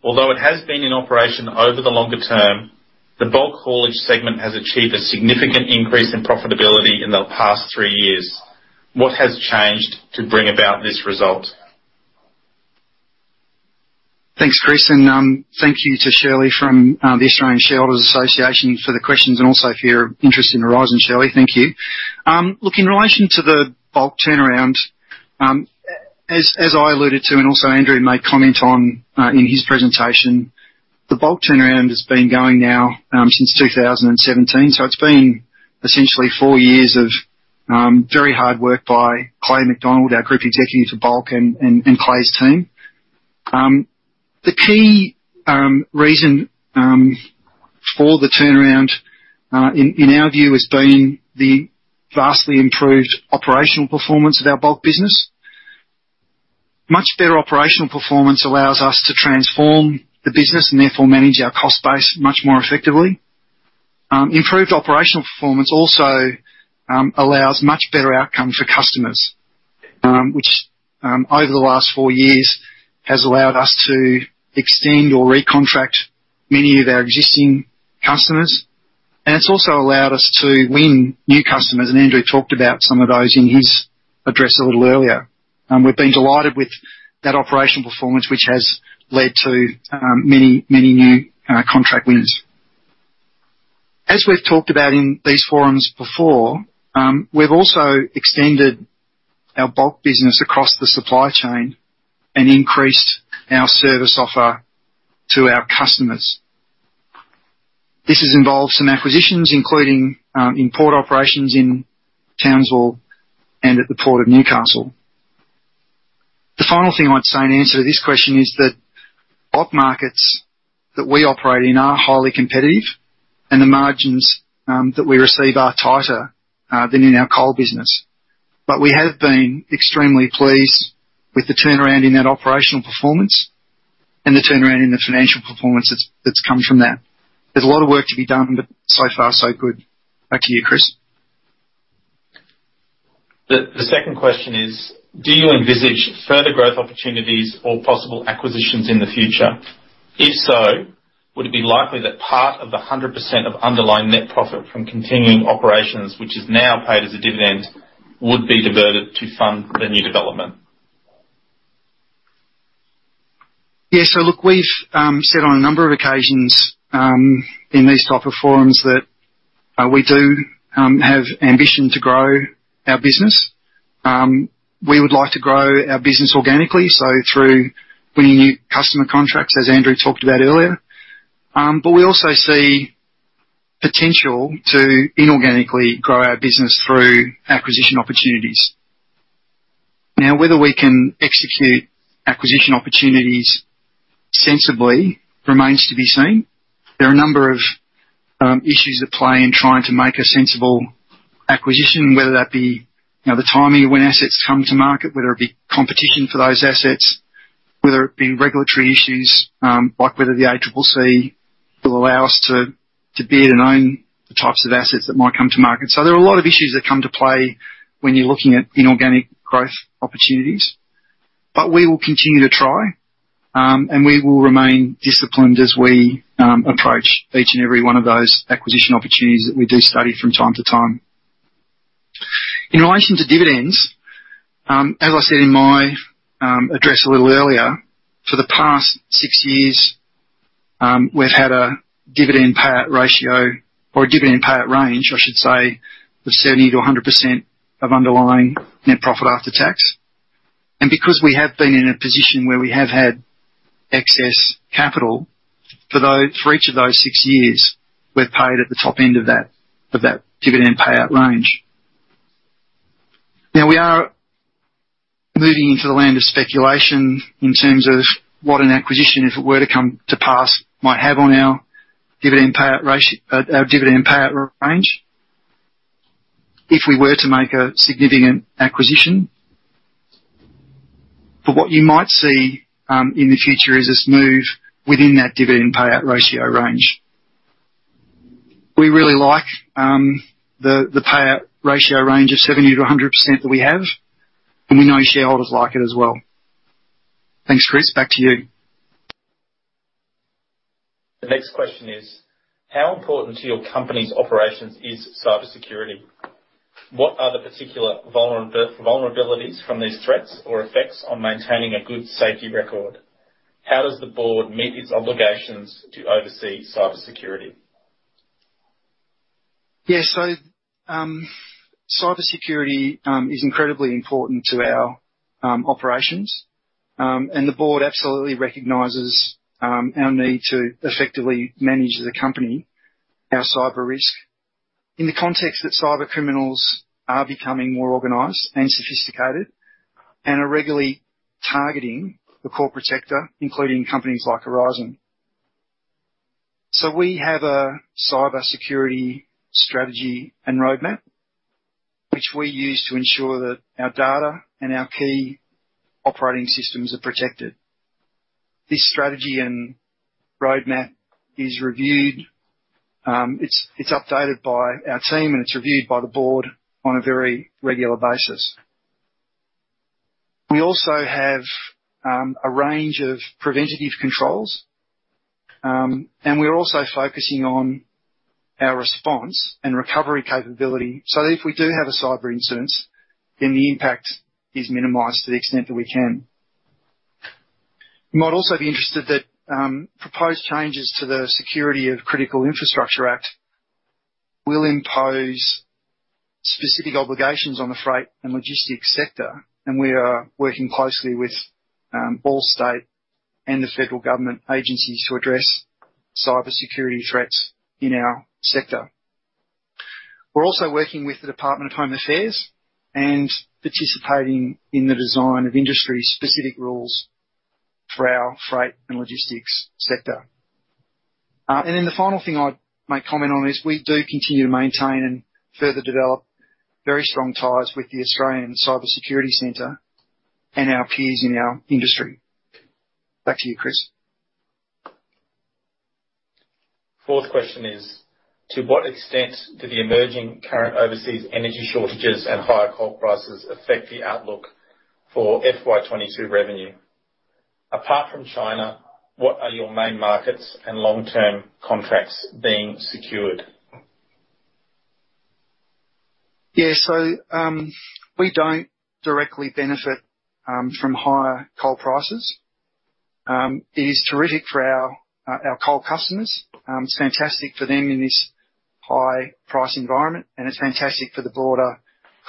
S5: although it has been in operation over the longer term, the Bulk haulage segment has achieved a significant increase in profitability in the past three years. What has changed to bring about this result?
S2: Thanks, Chris, and thank you to Shirley from the Australian Shareholders' Association for the questions and also for your interest in Aurizon, Shirley. Thank you. In relation to the Bulk turnaround, as I alluded to and also Andrew made comment on in his presentation, the Bulk turnaround has been going now since 2017. It's been essentially four years of very hard work by Clay McDonald, our Group Executive, Bulk, and Clay's team. The key reason for the turnaround, in our view, has been the vastly improved operational performance of our Bulk business. Much better operational performance allows us to transform the business and therefore manage our cost base much more effectively. Improved operational performance also allows much better outcome for customers, which over the last four years has allowed us to extend or recontract many of our existing customers. It's also allowed us to win new customers, Andrew talked about some of those in his address a little earlier. We've been delighted with that operational performance, which has led to many new contract wins. As we've talked about in these forums before, we've also extended our bulk business across the supply chain and increased our service offer to our customers. This has involved some acquisitions, including port operations in Townsville and at the Port of Newcastle. The final thing I'd say in answer to this question is that bulk markets that we operate in are highly competitive, and the margins that we receive are tighter than in our coal business. We have been extremely pleased with the turnaround in that operational performance and the turnaround in the financial performance that's come from that. There's a lot of work to be done, but so far, so good. Back to you, Chris.
S5: The second question is, do you envisage further growth opportunities or possible acquisitions in the future? If so, would it be likely that part of 100% of underlying net profit from continuing operations, which is now paid as a dividend, would be diverted to fund the new development?
S2: Yeah. Look, we've said on a number of occasions, in these type of forums that we do have ambition to grow our business. We would like to grow our business organically, so through winning new customer contracts, as Andrew talked about earlier. We also see potential to inorganically grow our business through acquisition opportunities. Whether we can execute acquisition opportunities sensibly remains to be seen. There are a number of issues at play in trying to make a sensible acquisition, whether that be the timing of when assets come to market, whether it be competition for those assets, whether it be regulatory issues, like whether the ACCC will allow us to bid and own the types of assets that might come to market. There are a lot of issues that come to play when you're looking at inorganic growth opportunities. We will continue to try, and we will remain disciplined as we approach each and every one of those acquisition opportunities that we do study from time to time. In relation to dividends, as I said in my address a little earlier, for the past six years, we've had a dividend payout ratio, or a dividend payout range, I should say, of 70%-100% of underlying net profit after tax. Because we have been in a position where we have had excess capital, for each of those six years, we've paid at the top end of that dividend payout range. Now we are moving into the land of speculation in terms of what an acquisition, if it were to come to pass, might have on our dividend payout range. If we were to make a significant acquisition. What you might see in the future is this move within that dividend payout ratio range. We really like the payout ratio range of 70%-100% that we have, and we know shareholders like it as well. Thanks, Chris. Back to you.
S5: The next question is, how important to your company's operations is cybersecurity? What are the particular vulnerabilities from these threats or effects on maintaining a good safety record? How does the board meet its obligations to oversee cybersecurity?
S2: Yeah. Cybersecurity is incredibly important to our operations. The board absolutely recognizes our need to effectively manage the company, our cyber risk. In the context that cybercriminals are becoming more organized and sophisticated and are regularly targeting the corporate sector, including companies like Aurizon. We have a cybersecurity strategy and roadmap, which we use to ensure that our data and our key operating systems are protected. This strategy and roadmap is reviewed. It's updated by our team, and it's reviewed by the board on a very regular basis. We also have a range of preventative controls, and we're also focusing on our response and recovery capability, so that if we do have a cyber incident, then the impact is minimized to the extent that we can. You might also be interested that proposed changes to the Security of Critical Infrastructure Act will impose specific obligations on the freight and logistics sector. We are working closely with all state and the federal government agencies to address cybersecurity threats in our sector. We're also working with the Department of Home Affairs and participating in the design of industry-specific rules for our freight and logistics sector. The final thing I'd make comment on is we do continue to maintain and further develop very strong ties with the Australian Cyber Security Centre and our peers in our industry. Back to you, Chris.
S5: Fourth question is, to what extent do the emerging current overseas energy shortages and higher coal prices affect the outlook for FY 2022 revenue? Apart from China, what are your main markets and long-term contracts being secured?
S2: Yeah. We don't directly benefit from higher coal prices. It is terrific for our coal customers. It's fantastic for them in this high-price environment, and it's fantastic for the broader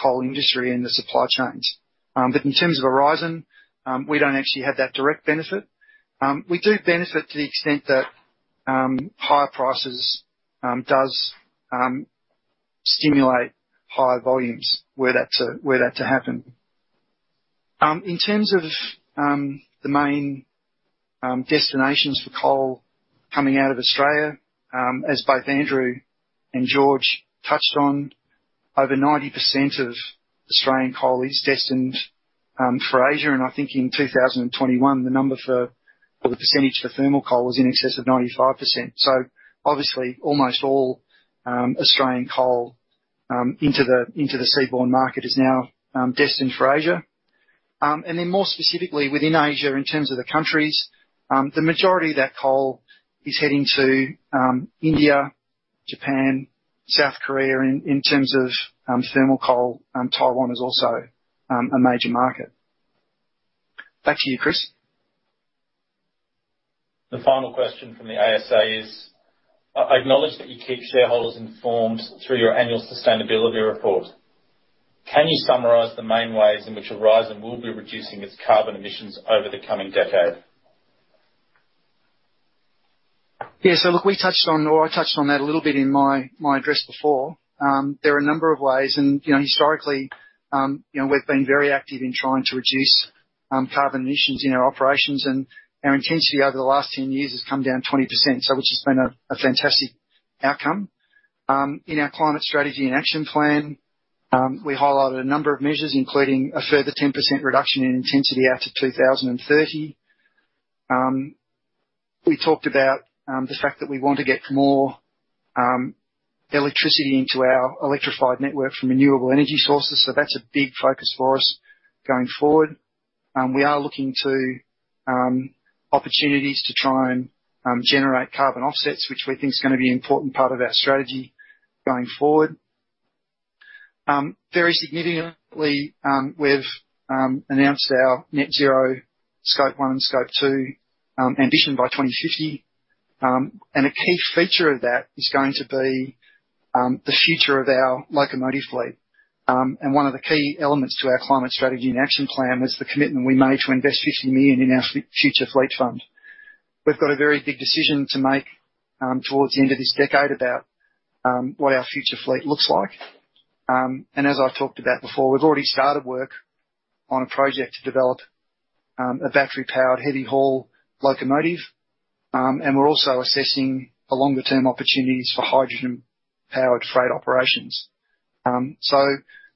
S2: coal industry and the supply chains. In terms of Aurizon, we don't actually have that direct benefit. We do benefit to the extent that higher prices do stimulate higher volumes, were that to happen. In terms of the main destinations for coal coming out of Australia, as both Andrew and George touched on, over 90% of Australian coal is destined for Asia, and I think in 2021, the number for, or the percentage for thermal coal was in excess of 95%. Obviously, almost all Australian coal into the seaborne market is now destined for Asia. More specifically within Asia, in terms of the countries, the majority of that coal is heading to India, Japan, South Korea. In terms of thermal coal, Taiwan is also a major market. Back to you, Chris.
S5: The final question from the ASA is, I acknowledge that you keep shareholders informed through your annual sustainability report. Can you summarize the main ways in which Aurizon will be reducing its carbon emissions over the coming decade?
S2: Look, we touched on, or I touched on that a little bit in my address before. There are a number of ways historically, we've been very active in trying to reduce carbon emissions in our operations, our intensity over the last 10 years has come down 20%, which has been a fantastic outcome. In our climate strategy and action plan, we highlighted a number of measures, including a further 10% reduction in intensity out to 2030. We talked about the fact that we want to get more electricity into our electrified network from renewable energy sources. That's a big focus for us going forward. We are looking to opportunities to try and generate carbon offsets, which we think is going to be an important part of our strategy going forward. Very significantly, we've announced our Net Zero Scope 1 and Scope 2 ambition by 2050. A key feature of that is going to be the future of our locomotive fleet. One of the key elements to our climate strategy and action plan was the commitment we made to invest 50 million in our future fleet fund. We've got a very big decision to make towards the end of this decade about what our future fleet looks like. As I've talked about before, we've already started work on a project to develop a battery-powered heavy haul locomotive, and we're also assessing the longer-term opportunities for hydrogen-powered freight operations.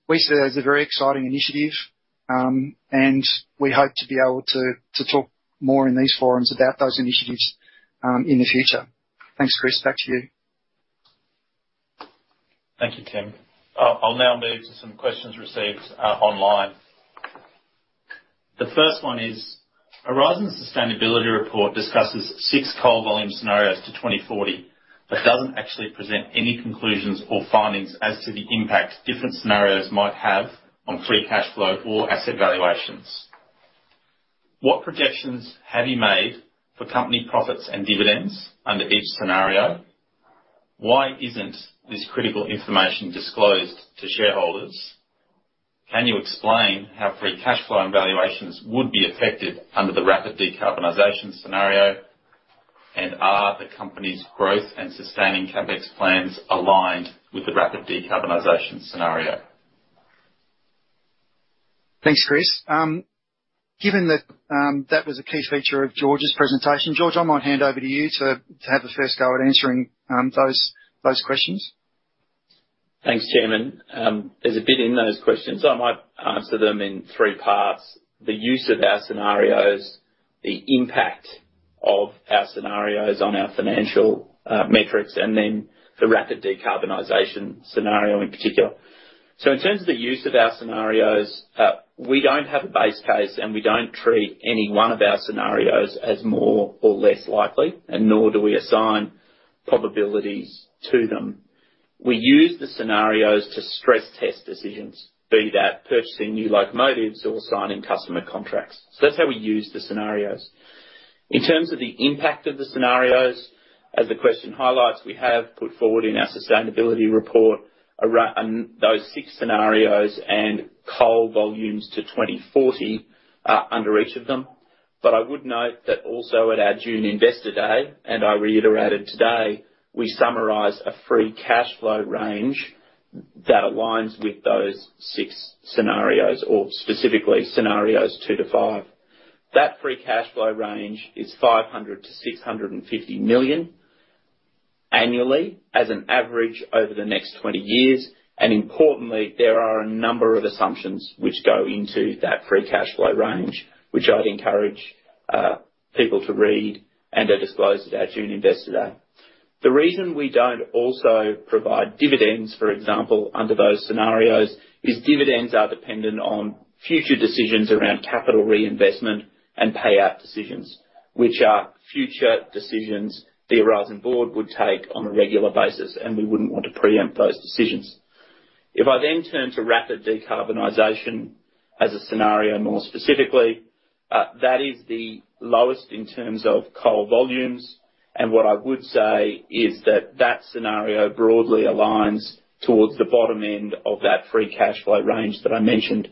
S2: We see that as a very exciting initiative, and we hope to be able to talk more in these forums about those initiatives in the future. Thanks, Chris. Back to you.
S5: Thank you, Tim. I'll now move to some questions received online. The first one is, Aurizon's sustainability report discusses six coal volume scenarios to 2040 but doesn't actually present any conclusions or findings as to the impact different scenarios might have on free cash flow or asset valuations. What projections have you made for company profits and dividends under each scenario? Why isn't this critical information disclosed to shareholders? Can you explain how free cash flow and valuations would be affected under the Rapid Decarbonization scenario? Are the company's growth and sustaining CapEx plans aligned with the Rapid Decarbonization scenario?
S2: Thanks, Chris. Given that that was a key feature of George's presentation, George, I might hand over to you to have a first go at answering those questions.
S4: Thanks, Chairman. There's a bit in those questions. I might answer them in three parts. The use of our scenarios, the impact of our scenarios on our financial metrics, and then the Rapid Decarbonization scenario in particular. In terms of the use of our scenarios, we don't have a base case, and we don't treat any one of our scenarios as more or less likely, and nor do we assign probabilities to them. We use the scenarios to stress-test decisions, be that purchasing new locomotives or signing customer contracts. That's how we use the scenarios. In terms of the impact of the scenarios, as the question highlights, we have put forward in our sustainability report, those six scenarios and coal volumes to 2040 under each of them. I would note that also at our June investor day, and I reiterated today, we summarize a free cash flow range that aligns with those six scenarios or specifically scenarios two to five. That free cash flow range is 500 million-650 million annually as an average over the next 20 years. Importantly, there are a number of assumptions which go into that free cash flow range, which I'd encourage people to read and are disclosed at our June investor day. The reason we don't also provide dividends, for example, under those scenarios is dividends are dependent on future decisions around capital reinvestment and payout decisions, which are future decisions the Aurizon Board would take on a regular basis, and we wouldn't want to preempt those decisions. I then turn to Rapid Decarbonization as a scenario more specifically, that is the lowest in terms of coal volumes. What I would say is that scenario broadly aligns towards the bottom end of that free cash flow range that I mentioned.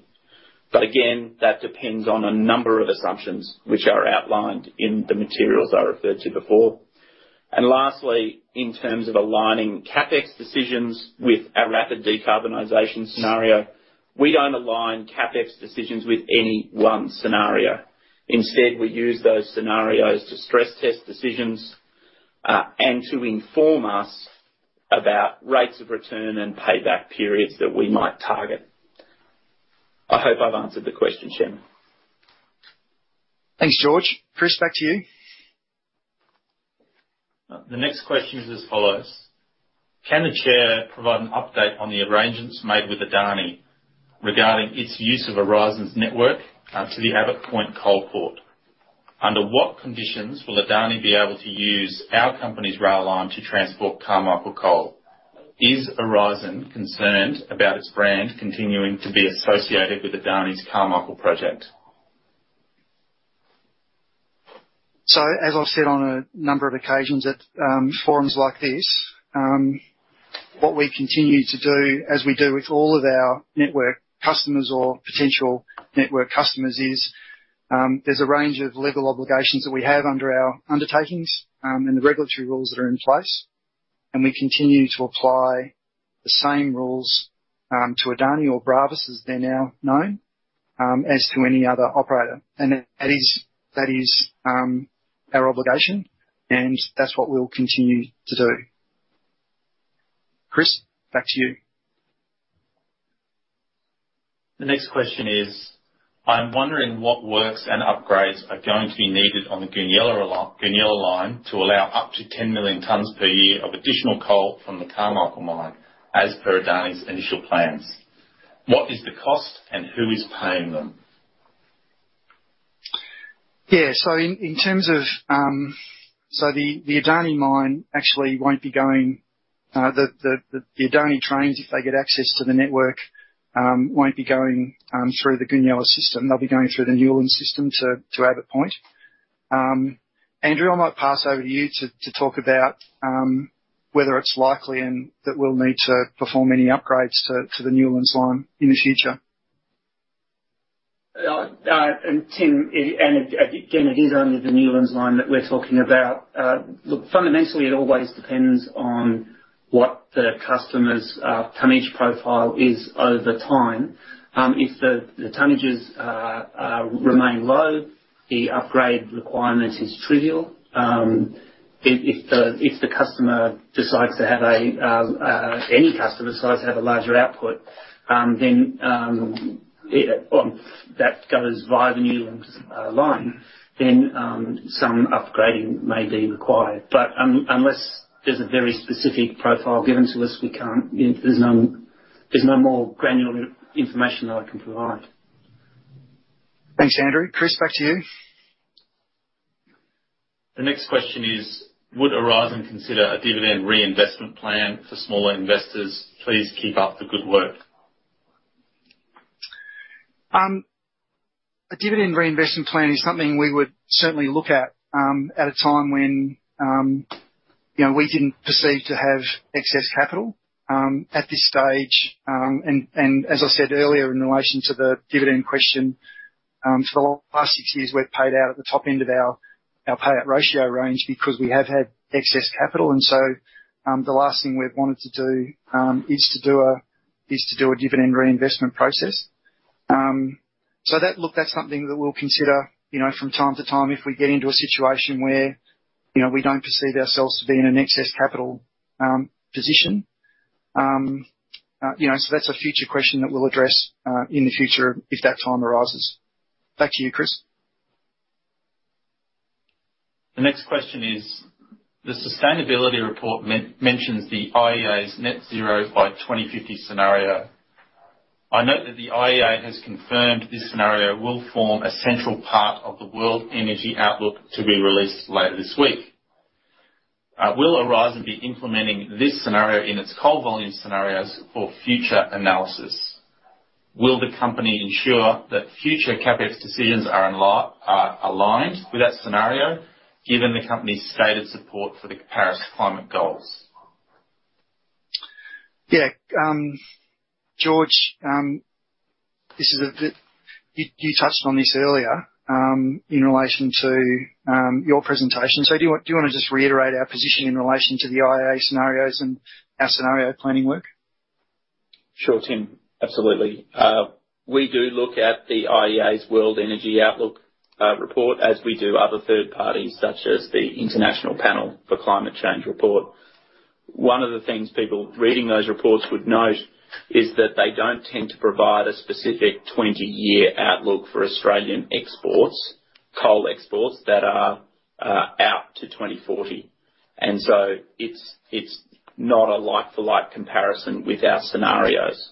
S4: Again, that depends on a number of assumptions which are outlined in the materials I referred to before. Lastly, in terms of aligning CapEx decisions with our Rapid Decarbonization scenario, we don't align CapEx decisions with any one scenario. Instead, we use those scenarios to stress test decisions, and to inform us about rates of return and payback periods that we might target. I hope I've answered the question, Shannon.
S2: Thanks, George. Chris, back to you.
S5: The next question is as follows, can the chair provide an update on the arrangements made with Adani regarding its use of Aurizon's network to the Abbot Point coal port? Under what conditions will Adani be able to use our company's rail line to transport Carmichael coal? Is Aurizon concerned about its brand continuing to be associated with Adani's Carmichael project?
S2: As I've said on a number of occasions at forums like this, what we continue to do, as we do with all of our network customers or potential network customers, is there's a range of legal obligations that we have under our undertakings, and the regulatory rules that are in place. We continue to apply the same rules to Adani or Bravus, as they're now known, as to any other operator. That is our obligation, and that's what we'll continue to do. Chris, back to you.
S5: The next question is, I'm wondering what works and upgrades are going to be needed on the Goonyella line to allow up to 10 million tons per year of additional coal from the Carmichael mine, as per Adani's initial plans. What is the cost and who is paying them?
S2: Yeah. The Adani trains, if they get access to the network, won't be going through the Goonyella system. They'll be going through the Newlands system to Abbott Point. Andrew, I might pass over to you to talk about whether it's likely that we'll need to perform any upgrades to the Newlands line in the future.
S3: Tim, again, it is only the Newlands line that we're talking about. Look, fundamentally, it always depends on what the customer's tonnage profile is over time. If the tonnages remain low, the upgrade requirement is trivial. If any customer decides to have a larger output, then that goes via the Newlands line, then some upgrading may be required. Unless there's a very specific profile given to us, there's no more granular information that I can provide.
S2: Thanks, Andrew. Chris, back to you.
S5: The next question is, would Aurizon consider a dividend reinvestment plan for smaller investors? Please keep up the good work.
S2: A dividend reinvestment plan is something we would certainly look at a time when we didn't perceive to have excess capital. At this stage, as I said earlier in relation to the dividend question, for the last six years, we've paid out at the top end of our payout ratio range because we have had excess capital. The last thing we've wanted to do is to do a dividend reinvestment process. Look, that's something that we'll consider from time to time if we get into a situation where we don't perceive ourselves to be in an excess capital position. That's a future question that we'll address in the future if that time arises. Back to you, Chris.
S5: The next question is, the sustainability report mentions the IEA's Net Zero by 2050 scenario. I note that the IEA has confirmed this scenario will form a central part of the World Energy Outlook to be released later this week. Will Aurizon be implementing this scenario in its coal volume scenarios for future analysis? Will the company ensure that future CapEx decisions are aligned with that scenario, given the company's stated support for the Paris climate goals?
S2: Yeah. George, you touched on this earlier in relation to your presentation. Do you want to just reiterate our position in relation to the IEA scenarios and our scenario planning work?
S4: Sure, Tim. Absolutely. We do look at the IEA's World Energy Outlook report, as we do other third parties, such as the Intergovernmental Panel on Climate Change report. One of the things people reading those reports would note is that they don't tend to provide a specific 20-year outlook for Australian exports, coal exports, that are out to 2040. It's not a like-for-like comparison with our scenarios.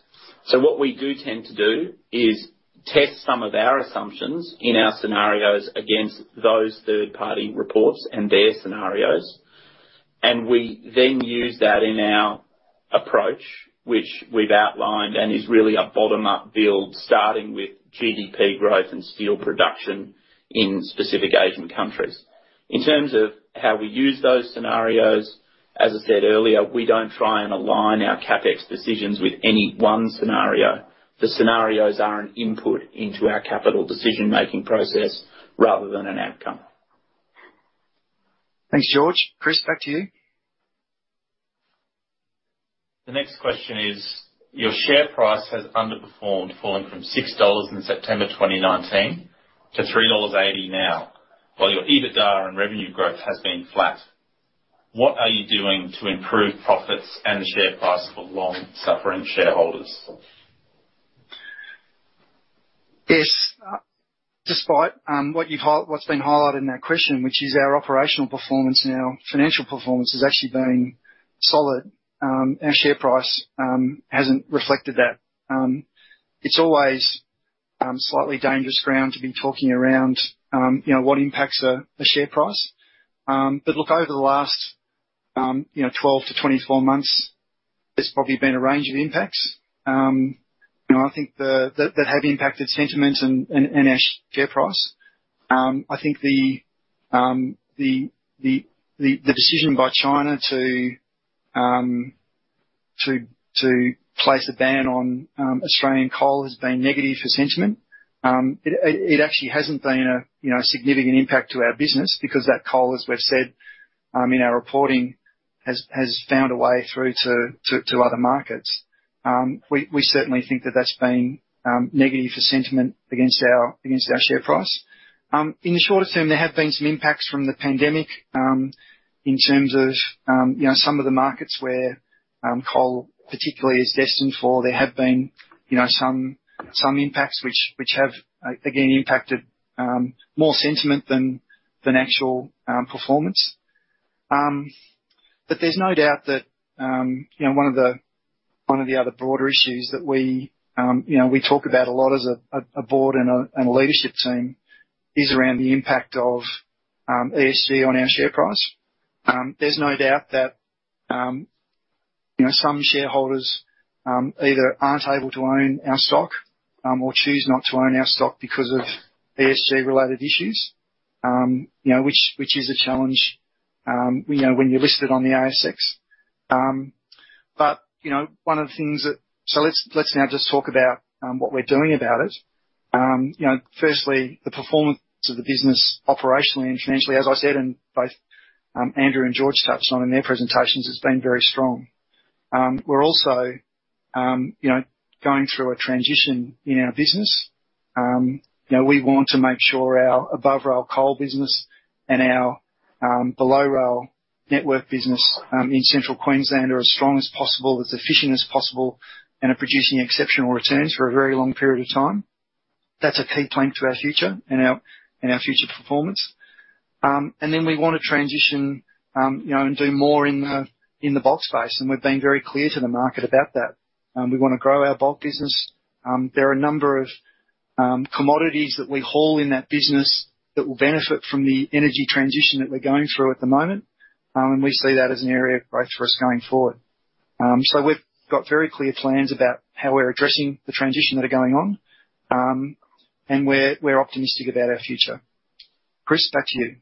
S4: What we do tend to do is test some of our assumptions in our scenarios against those third-party reports and their scenarios. We then use that in our approach, which we've outlined and is really a bottom-up build, starting with GDP growth and steel production in specific Asian countries. In terms of how we use those scenarios, as I said earlier, we don't try and align our CapEx decisions with any one scenario. The scenarios are an input into our capital decision-making process rather than an outcome.
S2: Thanks, George. Chris, back to you.
S5: The next question is, your share price has underperformed, falling from 6 dollars in September 2019 to 3.80 dollars now, while your EBITDA and revenue growth has been flat. What are you doing to improve profits and the share price for long-suffering shareholders?
S2: Yes. Despite what's been highlighted in that question, which is our operational performance and our financial performance has actually been solid, our share price hasn't reflected that. Look, over the last 12-24 months, there's probably been a range of impacts, that have impacted sentiment and our share price. I think the decision by China to place a ban on Australian coal has been negative for sentiment. It actually hasn't been a significant impact to our business because that coal, as we've said in our reporting, has found a way through to other markets. We certainly think that that's been negative for sentiment against our share price. In the shorter term, there have been some impacts from the pandemic, in terms of some of the markets where coal particularly is destined for. There have been some impacts which have, again, impacted more sentiment than actual performance. There's no doubt that one of the other broader issues that we talk about a lot as a board and a leadership team is around the impact of ESG on our share price. There's no doubt that some shareholders either aren't able to own our stock or choose not to own our stock because of ESG-related issues, which is a challenge when you're listed on the ASX. Let's now just talk about what we're doing about it. Firstly, the performance of the business operationally and financially, as I said, and both Andrew and George touched on in their presentations, has been very strong. We're also going through a transition in our business. We want to make sure our above rail coal business and our below rail network business in Central Queensland are as strong as possible, as efficient as possible, and are producing exceptional returns for a very long period of time. That's a key plank to our future and our future performance. We want to transition and do more in the bulk space, and we've been very clear to the market about that. We want to grow our bulk business. There are a number of commodities that we haul in that business that will benefit from the energy transition that we're going through at the moment, and we see that as an area of growth for us going forward. We've got very clear plans about how we're addressing the transition that are going on, and we're optimistic about our future. Chris, back to you.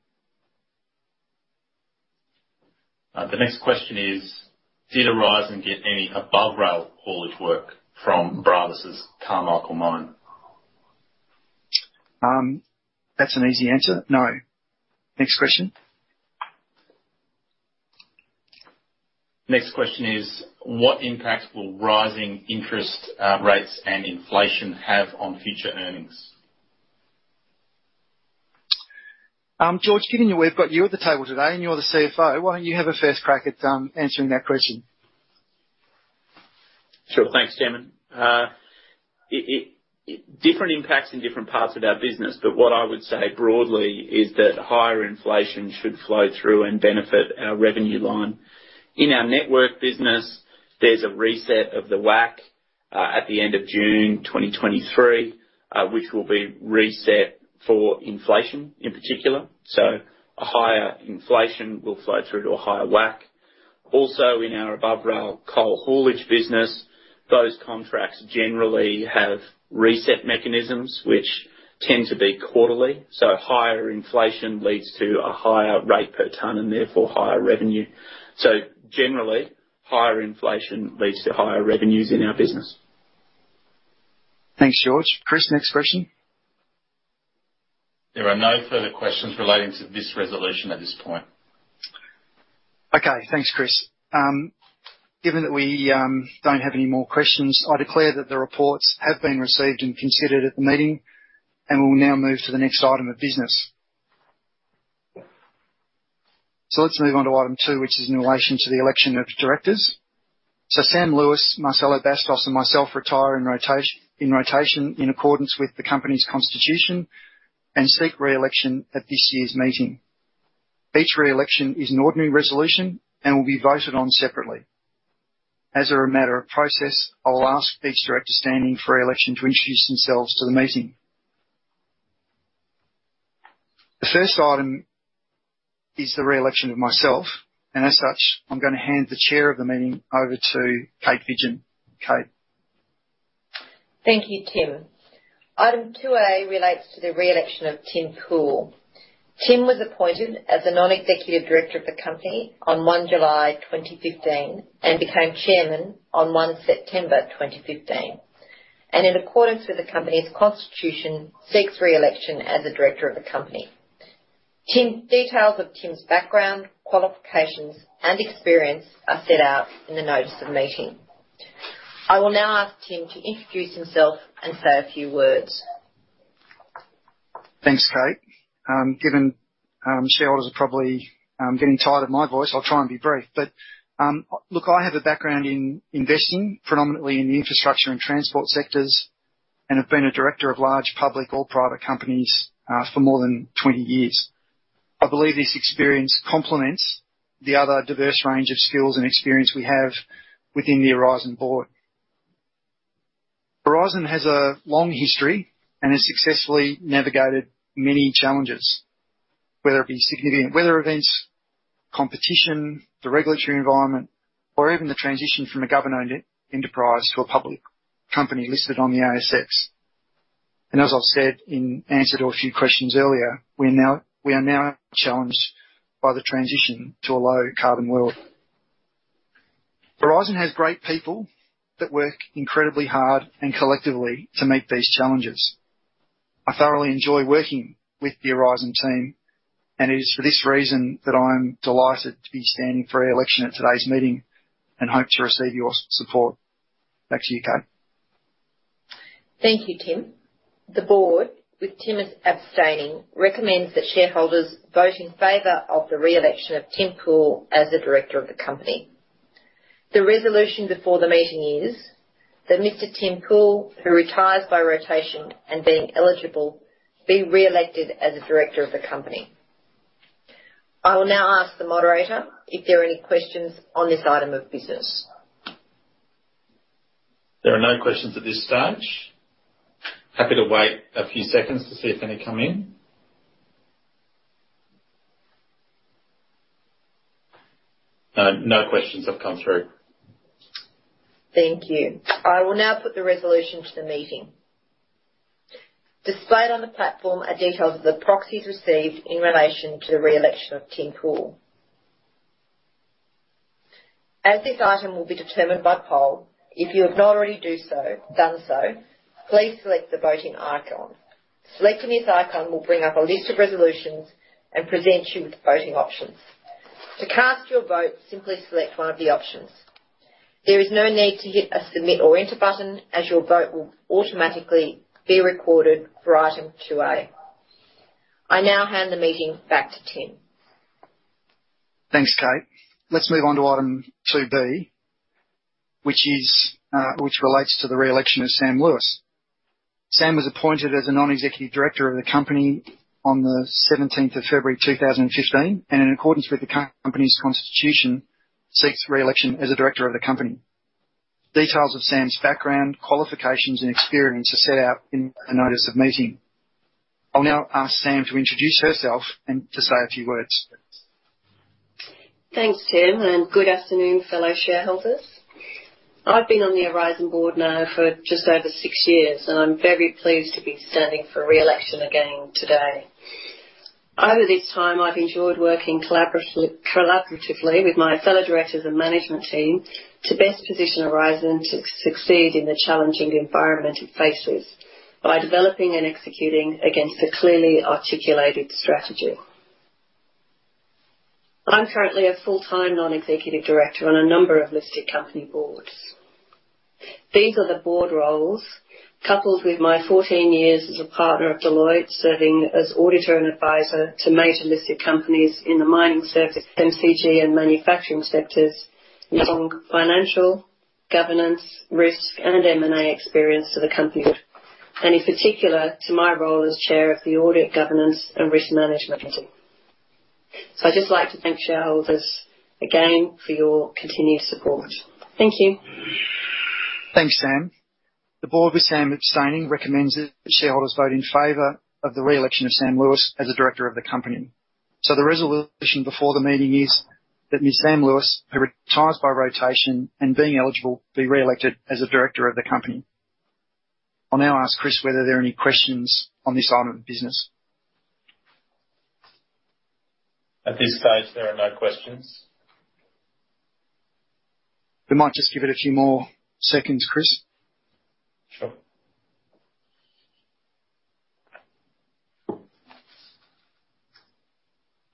S5: The next question is, did Aurizon get any above rail haulage work from Bravus' Carmichael Mine?
S2: That's an easy answer. No. Next question.
S5: Next question is, what impact will rising interest rates and inflation have on future earnings?
S2: George, given we've got you at the table today and you're the CFO, why don't you have a first crack at answering that question?
S4: Sure. Thanks, Damon. Different impacts in different parts of our business, but what I would say broadly is that higher inflation should flow through and benefit our revenue line. In our network business, there's a reset of the WACC at the end of June 2023, which will be reset for inflation in particular. A higher inflation will flow through to a higher WACC. Also, in our above rail coal haulage business, those contracts generally have reset mechanisms, which tend to be quarterly. Higher inflation leads to a higher rate per ton and therefore higher revenue. Generally, higher inflation leads to higher revenues in our business.
S2: Thanks, George. Chris, next question.
S5: There are no further questions relating to this resolution at this point.
S2: Okay. Thanks, Chris. Given that we don't have any more questions, I declare that the reports have been received and considered at the meeting, and we will now move to the next item of business. Let's move on to item two, which is in relation to the election of directors. Sam Lewis, Marcelo Bastos, and myself retire in rotation in accordance with the company's constitution and seek re-election at this year's meeting. Each re-election is an ordinary resolution and will be voted on separately. As a matter of process, I'll ask each director standing for re-election to introduce themselves to the meeting. The 1st item is the re-election of myself, and as such, I'm going to hand the chair of the meeting over to Kate Vidgen. Kate.
S6: Thank you, Tim. Item 2A relates to the reelection of Tim Poole. Tim was appointed as a non-executive director of the company on 1 July 2015 and became Chairman on 1 September 2015, and in accordance with the company's constitution, seeks reelection as a director of the company. Details of Tim's background, qualifications, and experience are set out in the notice of the meeting. I will now ask Tim to introduce himself and say a few words.
S2: Thanks, Kate. Given shareholders are probably getting tired of my voice, I'll try and be brief. Look, I have a background in investing, predominantly in the infrastructure and transport sectors, and have been a director of large public or private companies for more than 20 years. I believe this experience complements the other diverse range of skills and experience we have within the Aurizon board. Aurizon has a long history and has successfully navigated many challenges, whether it be significant weather events, competition, the regulatory environment, or even the transition from a government-owned enterprise to a public company listed on the ASX. As I've said in answer to a few questions earlier, we are now challenged by the transition to a low-carbon world. Aurizon has great people that work incredibly hard and collectively to meet these challenges. I thoroughly enjoy working with the Aurizon team, and it is for this reason that I am delighted to be standing for reelection at today's meeting and hope to receive your support. Back to you, Kate.
S6: Thank you, Tim. The board, with Tim as abstaining, recommends that shareholders vote in favor of the reelection of Tim Poole as a director of the company. The resolution before the meeting is that Mr. Tim Poole, who retires by rotation and being eligible, be reelected as a director of the company. I will now ask the moderator if there are any questions on this item of business.
S5: There are no questions at this stage. Happy to wait a few seconds to see if any come in. No. No questions have come through.
S6: Thank you. I will now put the resolution to the meeting. Displayed on the platform are details of the proxies received in relation to the reelection of Tim Poole. As this item will be determined by poll, if you have not already done so, please select the voting icon. Selecting this icon will bring up a list of resolutions and present you with the voting options. To cast your vote, simply select one of the options. There is no need to hit a submit or enter button, as your vote will automatically be recorded for item 2A. I now hand the meeting back to Tim.
S2: Thanks, Kate. Let's move on to item 2B, which relates to the reelection of Sam Lewis. Sam was appointed as a non-executive director of the company on the 17th of February 2015. In accordance with the company's constitution, seeks reelection as a director of the company. Details of Sam's background, qualifications, and experience are set out in the notice of meeting. I'll now ask Sam to introduce herself and to say a few words.
S7: Thanks, Tim. Good afternoon, fellow shareholders. I've been on the Aurizon board now for just over six years. I'm very pleased to be standing for reelection again today. Over this time, I've enjoyed working collaboratively with my fellow directors and management team to best position Aurizon to succeed in the challenging environment it faces by developing and executing against a clearly articulated strategy. I'm currently a full-time non-executive director on a number of listed company boards. These are the board roles, coupled with my 14 years as a partner of Deloitte, serving as auditor and advisor to major listed companies in the mining service, FMCG, and manufacturing sectors, bringing financial, governance, risk, and M&A experience to the company and in particular to my role as chair of the Audit, Governance, and Risk Management Committee. I'd just like to thank shareholders again for your continued support. Thank you.
S2: Thanks, Sam. The board, with Sam abstaining, recommends that shareholders vote in favor of the reelection of Sam Lewis as a director of the company. The resolution before the meeting is that Ms. Sam Lewis, who retires by rotation and being eligible, be reelected as a director of the company. I will now ask Chris whether there are any questions on this item of business.
S5: At this stage, there are no questions.
S2: We might just give it a few more seconds, Chris.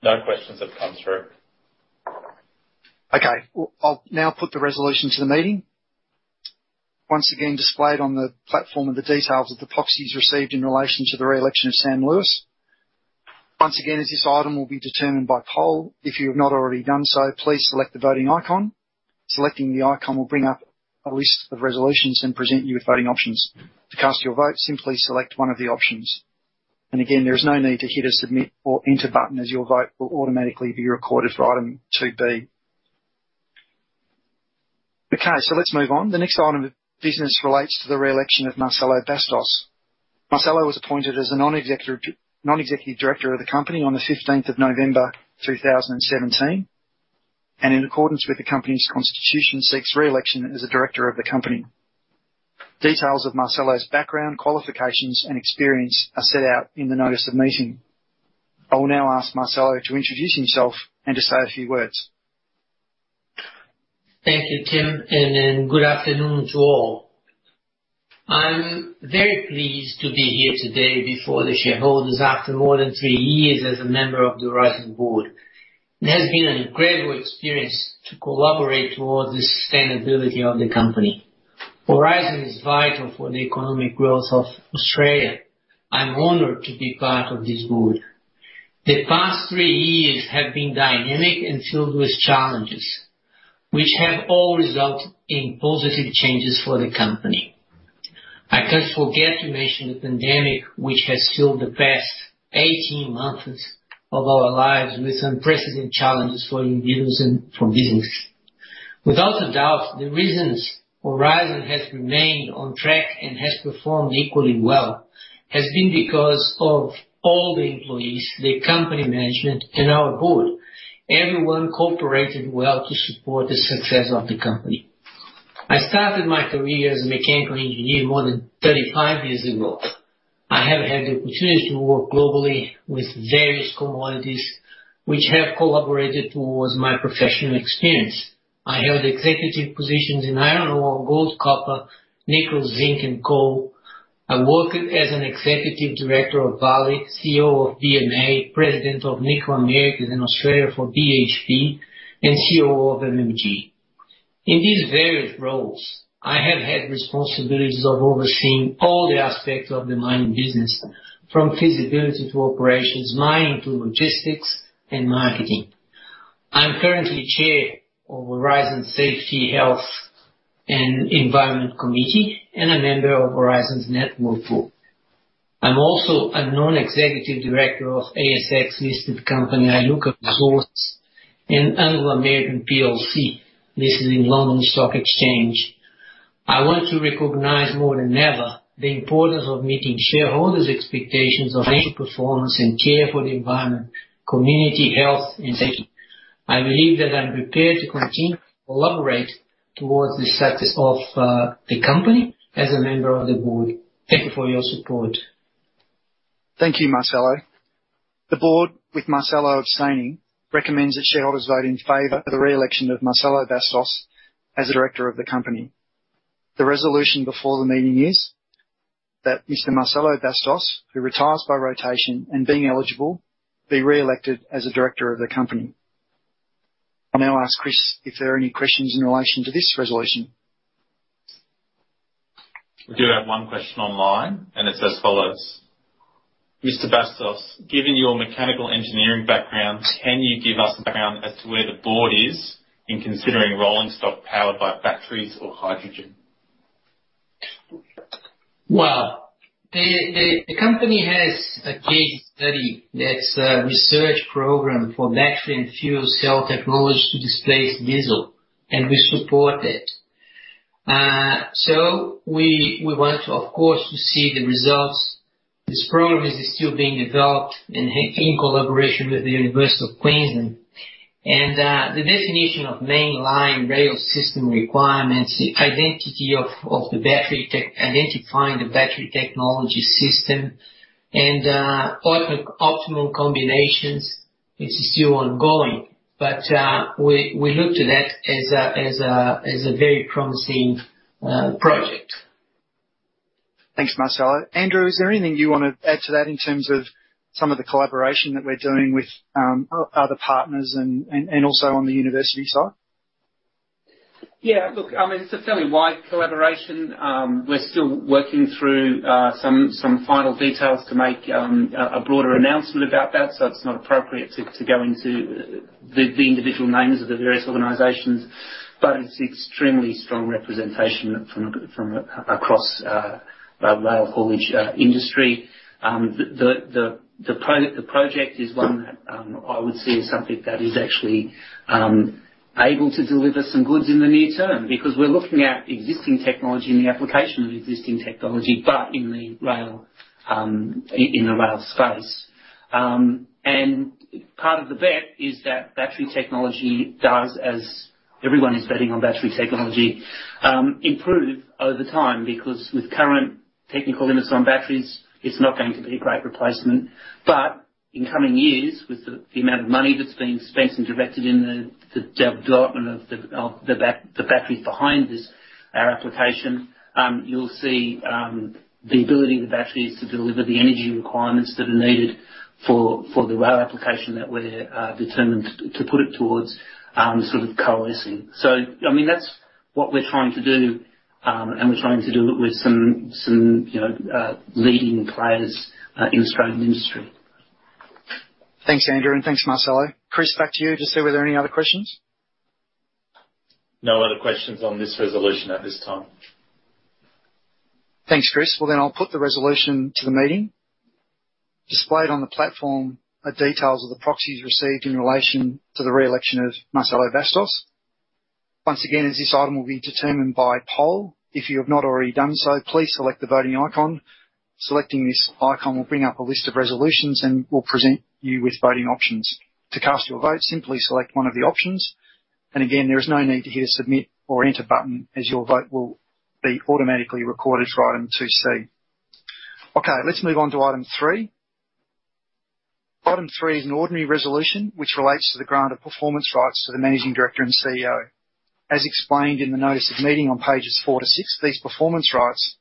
S5: Sure. No questions have come through.
S2: Okay. I'll now put the resolution to the meeting. Once again, displayed on the platform are the details of the proxies received in relation to the reelection of Sam Lewis. Once again, as this item will be determined by poll, if you have not already done so, please select the voting icon. Selecting the icon will bring up a list of resolutions and present you with voting options. To cast your vote, simply select one of the options. Again, there is no need to hit a submit or enter button as your vote will automatically be recorded for item 2B. Okay, let's move on. The next item of business relates to the re-election of Marcelo Bastos. Marcelo was appointed as a non-executive director of the company on the 15th of November, 2017, and in accordance with the company's constitution, seeks re-election as a director of the company. Details of Marcelo's background, qualifications, and experience are set out in the notice of meeting. I will now ask Marcelo to introduce himself and to say a few words.
S8: Thank you, Tim. Good afternoon to all. I'm very pleased to be here today before the shareholders after more than three years as a member of the Aurizon board. It has been an incredible experience to collaborate towards the sustainability of the company. Aurizon is vital for the economic growth of Australia. I'm honored to be part of this board. The past three years have been dynamic and filled with challenges, which have all resulted in positive changes for the company. I can't forget to mention the pandemic, which has filled the past 18 months of our lives with unprecedented challenges for individuals and for business. Without a doubt, the reasons Aurizon has remained on track and has performed equally well has been because of all the employees, the company management, and our board. Everyone cooperated well to support the success of the company. I started my career as a mechanical engineer more than 35 years ago. I have had the opportunity to work globally with various commodities, which have collaborated towards my professional experience. I held executive positions in iron ore, gold, copper, nickel, zinc, and coal. I worked as an Executive Director of Vale, CEO of BMA, President of Nickel Americas and Australia for BHP, and CEO of MMG. In these various roles, I have had responsibilities of overseeing all the aspects of the mining business, from feasibility to operations, mining to logistics and marketing. I'm currently chair of Aurizon's Safety, Health, and Environment Committee and a member of Aurizon's Net Zero 4. I'm also a non-executive director of ASX-listed company Iluka Resources and Anglo American plc listed in London Stock Exchange. I want to recognize more than ever the importance of meeting shareholders' expectations of risk performance and care for the environment, community health, and safety. I believe that I'm prepared to continue to collaborate towards the success of the company as a member of the board. Thank you for your support.
S2: Thank you, Marcelo. The board, with Marcelo abstaining, recommends that shareholders vote in favor of the re-election of Marcelo Bastos as a director of the company. The resolution before the meeting is that Mr. Marcelo Bastos, who retires by rotation and being eligible, be re-elected as a director of the company. I now ask Chris if there are any questions in relation to this resolution.
S5: We do have one question online, and it's as follows. Mr. Bastos, given your mechanical engineering background, can you give us background as to where the board is in considering rolling stock powered by batteries or hydrogen?
S8: Well, the company has a case study that's a research program for battery and fuel cell technology to displace diesel, and we support it. We want, of course, to see the results. This program is still being developed in collaboration with The University of Queensland. The definition of mainline rail system requirements, identifying the battery technology system, and optimal combinations is still ongoing. We look to that as a very promising project.
S2: Thanks, Marcelo. Andrew, is there anything you want to add to that in terms of some of the collaboration that we're doing with other partners and also on the university side?
S3: Look, it's a fairly wide collaboration. We're still working through some final details to make a broader announcement about that. It's not appropriate to go into the individual names of the various organizations. It's extremely strong representation from across the rail haulage industry. The project is one that I would see as something that is actually able to deliver some goods in the near term because we're looking at existing technology and the application of existing technology, but in the rail space. Part of the bet is that battery technology does, as everyone is betting on battery technology, improve over time because with current technical limits on batteries, it's not going to be a great replacement. In coming years, with the amount of money that's being spent and directed in the development of the batteries behind our application, you'll see the ability of the batteries to deliver the energy requirements that are needed for the rail application that we're determined to put it towards sort of coalescing. That's what we're trying to do, and we're trying to do it with some leading players in Australian industry.
S2: Thanks Andrew, thanks Marcelo. Chris, back to you to see were there any other questions.
S5: No other questions on this resolution at this time.
S2: Thanks, Chris. Well, I'll put the resolution to the meeting. Displayed on the platform are details of the proxies received in relation to the re-election of Marcelo Bastos. Once again, as this item will be determined by poll, if you have not already done so, please select the voting icon. Selecting this icon will bring up a list of resolutions and will present you with voting options. To cast your vote, simply select one of the options. Again, there is no need to hit a submit or enter button as your vote will be automatically recorded for item 2C. Okay, let's move on to item three. Item three is an ordinary resolution which relates to the grant of performance rights to the Managing Director and CEO. As explained in the notice of meeting on pages four to six, these performance rights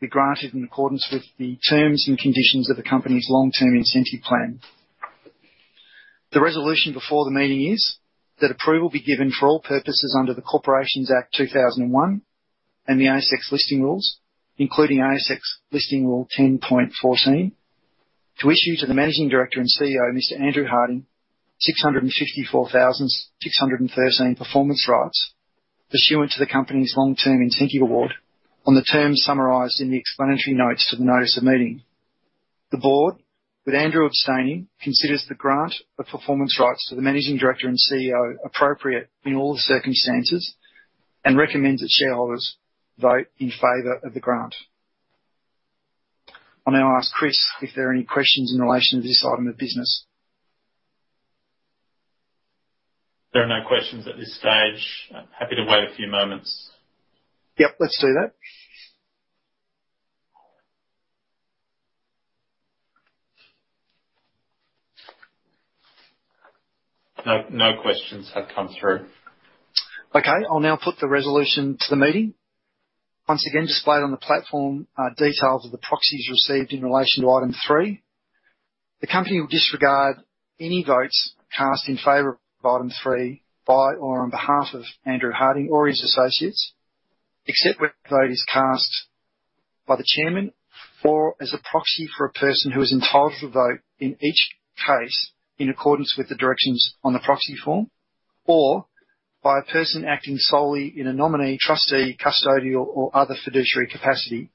S2: will be granted in accordance with the terms and conditions of the company's long-term incentive plan. The resolution before the meeting is that approval be given for all purposes under the Corporations Act 2001 and the ASX Listing Rules, including ASX Listing Rule 10.14, to issue to the Managing Director and CEO, Mr. Andrew Harding, 654,613 performance rights pursuant to the company's long-term incentive award on the terms summarized in the explanatory notes to the notice of meeting. The board, with Andrew abstaining, considers the grant of performance rights to the Managing Director and CEO appropriate in all the circumstances and recommends that shareholders vote in favor of the grant. I'll now ask Chris if there are any questions in relation to this item of business.
S5: There are no questions at this stage. Happy to wait a few moments.
S2: Yep, let's do that.
S5: No questions have come through.
S2: Okay. I'll now put the resolution to the meeting. Once again, displayed on the platform are details of the proxies received in relation to item three. The company will disregard any votes cast in favor of item three by or on behalf of Andrew Harding or his associates, except where the vote is cast by the chairman or as a proxy for a person who is entitled to vote in each case in accordance with the directions on the proxy form, or by a person acting solely in a nominee, trustee, custodial, or other fiduciary capacity,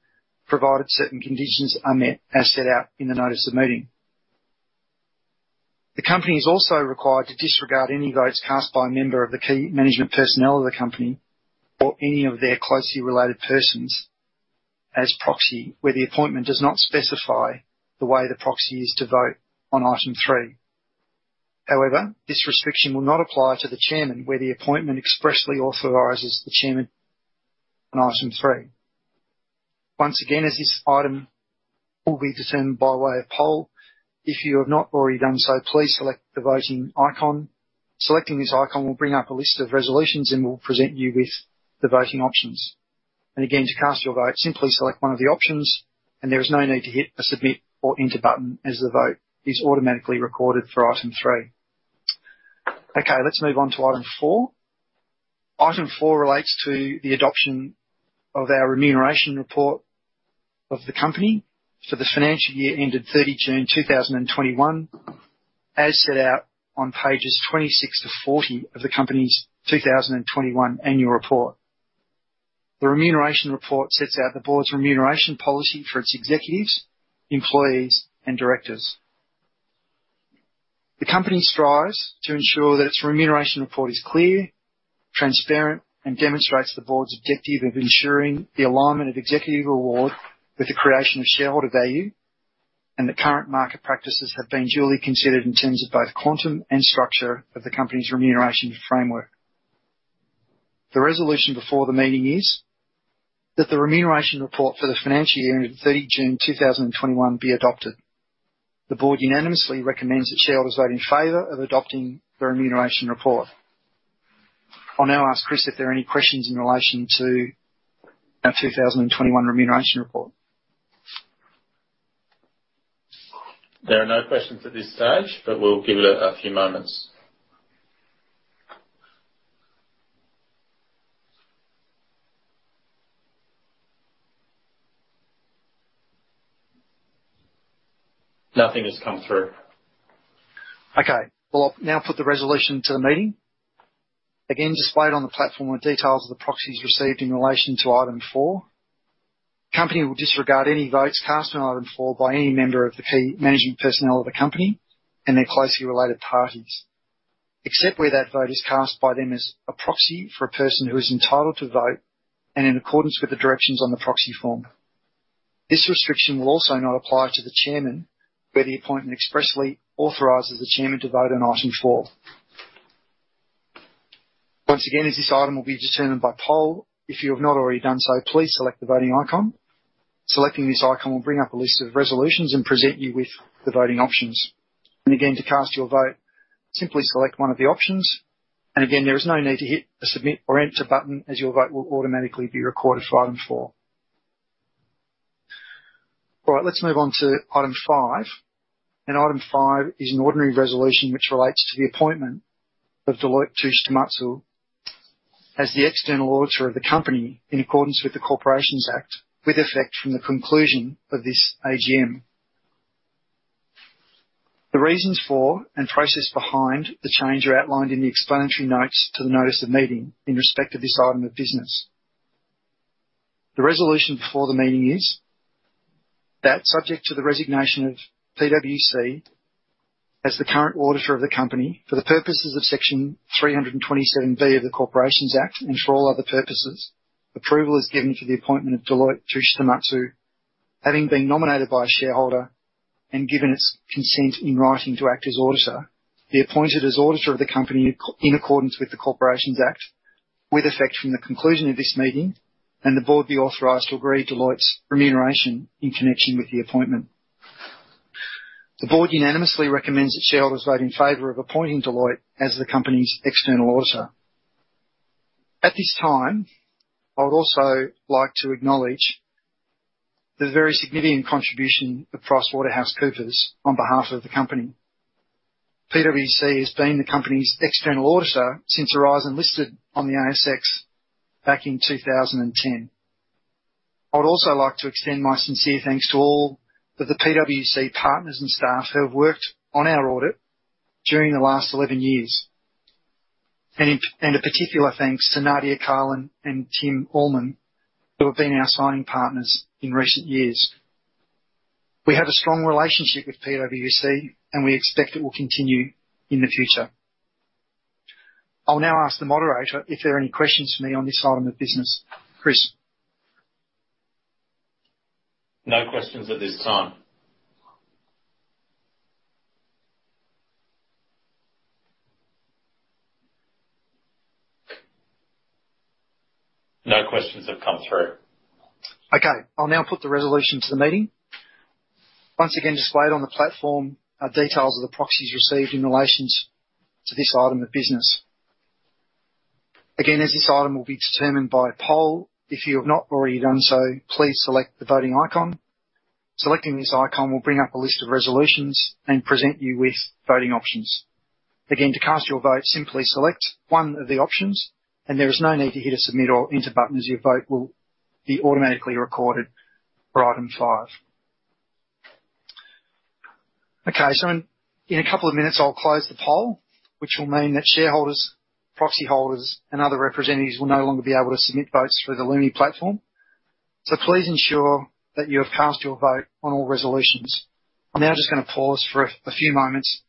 S2: provided certain conditions are met as set out in the notice of meeting. The company is also required to disregard any votes cast by a member of the key management personnel of the company or any of their closely related persons as proxy, where the appointment does not specify the way the proxy is to vote on item three. However, this restriction will not apply to the chairman where the appointment expressly authorizes the chairman on item three. Once again, as this item will be determined by way of poll, if you have not already done so, please select the voting icon. Selecting this icon will bring up a list of resolutions and will present you with the voting options. Again, to cast your vote, simply select one of the options, and there is no need to hit a submit or enter button as the vote is automatically recorded for item three. Okay, let's move on to item four. Item four relates to the adoption of our remuneration report of the company for the financial year ended 30 June 2021, as set out on pages 26 to 40 of the company's 2021 annual report. The remuneration report sets out the board's remuneration policy for its executives, employees, and directors. The company strives to ensure that its remuneration report is clear, transparent, and demonstrates the board's objective of ensuring the alignment of executive reward with the creation of shareholder value, and that current market practices have been duly considered in terms of both quantum and structure of the company's remuneration framework. The resolution before the meeting is that the remuneration report for the financial year ended 30 June 2021 be adopted. The board unanimously recommends that shareholders vote in favor of adopting the remuneration report. I'll now ask Chris if there are any questions in relation to our 2021 remuneration report.
S5: There are no questions at this stage, but we'll give it a few moments. Nothing has come through.
S2: We'll now put the resolution to the meeting. Displayed on the platform are details of the proxies received in relation to item four. The company will disregard any votes cast on item four by any member of the key management personnel of the company and their closely related parties, except where that vote is cast by them as a proxy for a person who is entitled to vote and in accordance with the directions on the proxy form. This restriction will also not apply to the Chairman where the appointment expressly authorizes the Chairman to vote on item four. As this item will be determined by poll, if you have not already done so, please select the voting icon. Selecting this icon will bring up a list of resolutions and present you with the voting options. Again, to cast your vote, simply select one of the options. Again, there is no need to hit a submit or enter button as your vote will automatically be recorded for item four. All right. Let's move on to item five. Item five is an ordinary resolution which relates to the appointment of Deloitte Touche Tohmatsu as the external auditor of the company in accordance with the Corporations Act, with effect from the conclusion of this AGM. The reasons for and process behind the change are outlined in the explanatory notes to the notice of meeting in respect of this item of business. The resolution before the meeting is that subject to the resignation of PwC as the current auditor of the company, for the purposes of Section 327B of the Corporations Act, and for all other purposes, approval is given for the appointment of Deloitte Touche Tohmatsu, having been nominated by a shareholder and given its consent in writing to act as auditor, be appointed as auditor of the company in accordance with the Corporations Act, with effect from the conclusion of this meeting, and the board be authorized to agree Deloitte's remuneration in connection with the appointment. The board unanimously recommends that shareholders vote in favor of appointing Deloitte as the company's external auditor. At this time, I would also like to acknowledge the very significant contribution of PricewaterhouseCoopers on behalf of the company. PwC has been the company's external auditor since Aurizon listed on the ASX back in 2010. I would also like to extend my sincere thanks to all of the PwC partners and staff who have worked on our audit during the last 11 years. A particular thanks to Nadia Carlin and Tim Allman, who have been our signing partners in recent years. We have a strong relationship with PwC, and we expect it will continue in the future. I will now ask the moderator if there are any questions for me on this item of business. Chris?
S5: No questions at this time. No questions have come through.
S2: I'll now put the resolution to the meeting. Once again, displayed on the platform are details of the proxies received in relations to this item of business. Again, as this item will be determined by poll, if you have not already done so, please select the voting icon. Selecting this icon will bring up a list of resolutions and present you with voting options. Again, to cast your vote, simply select one of the options, and there is no need to hit a submit or enter button as your vote will be automatically recorded for item five. In a couple of minutes, I'll close the poll, which will mean that shareholders, proxy holders, and other representatives will no longer be able to submit votes through the Lumi platform. Please ensure that you have cast your vote on all resolutions. I'm now just going to pause for a few moments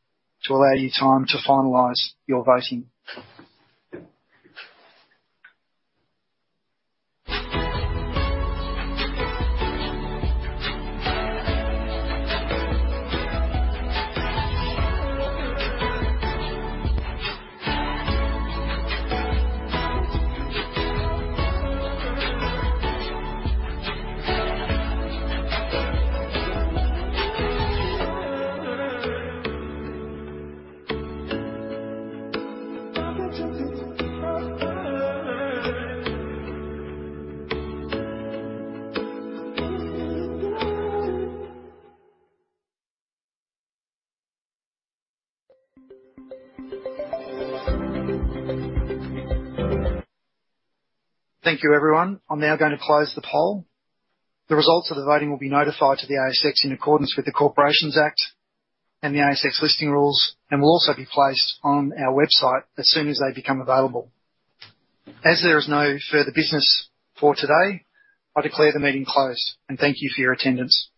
S2: to allow you time to finalize your voting. Thank you everyone. I'm now going to close the poll. The results of the voting will be notified to the ASX in accordance with the Corporations Act and the ASX Listing Rules, and will also be placed on our website as soon as they become available. As there is no further business for today, I declare the meeting closed, and thank you for your attendance.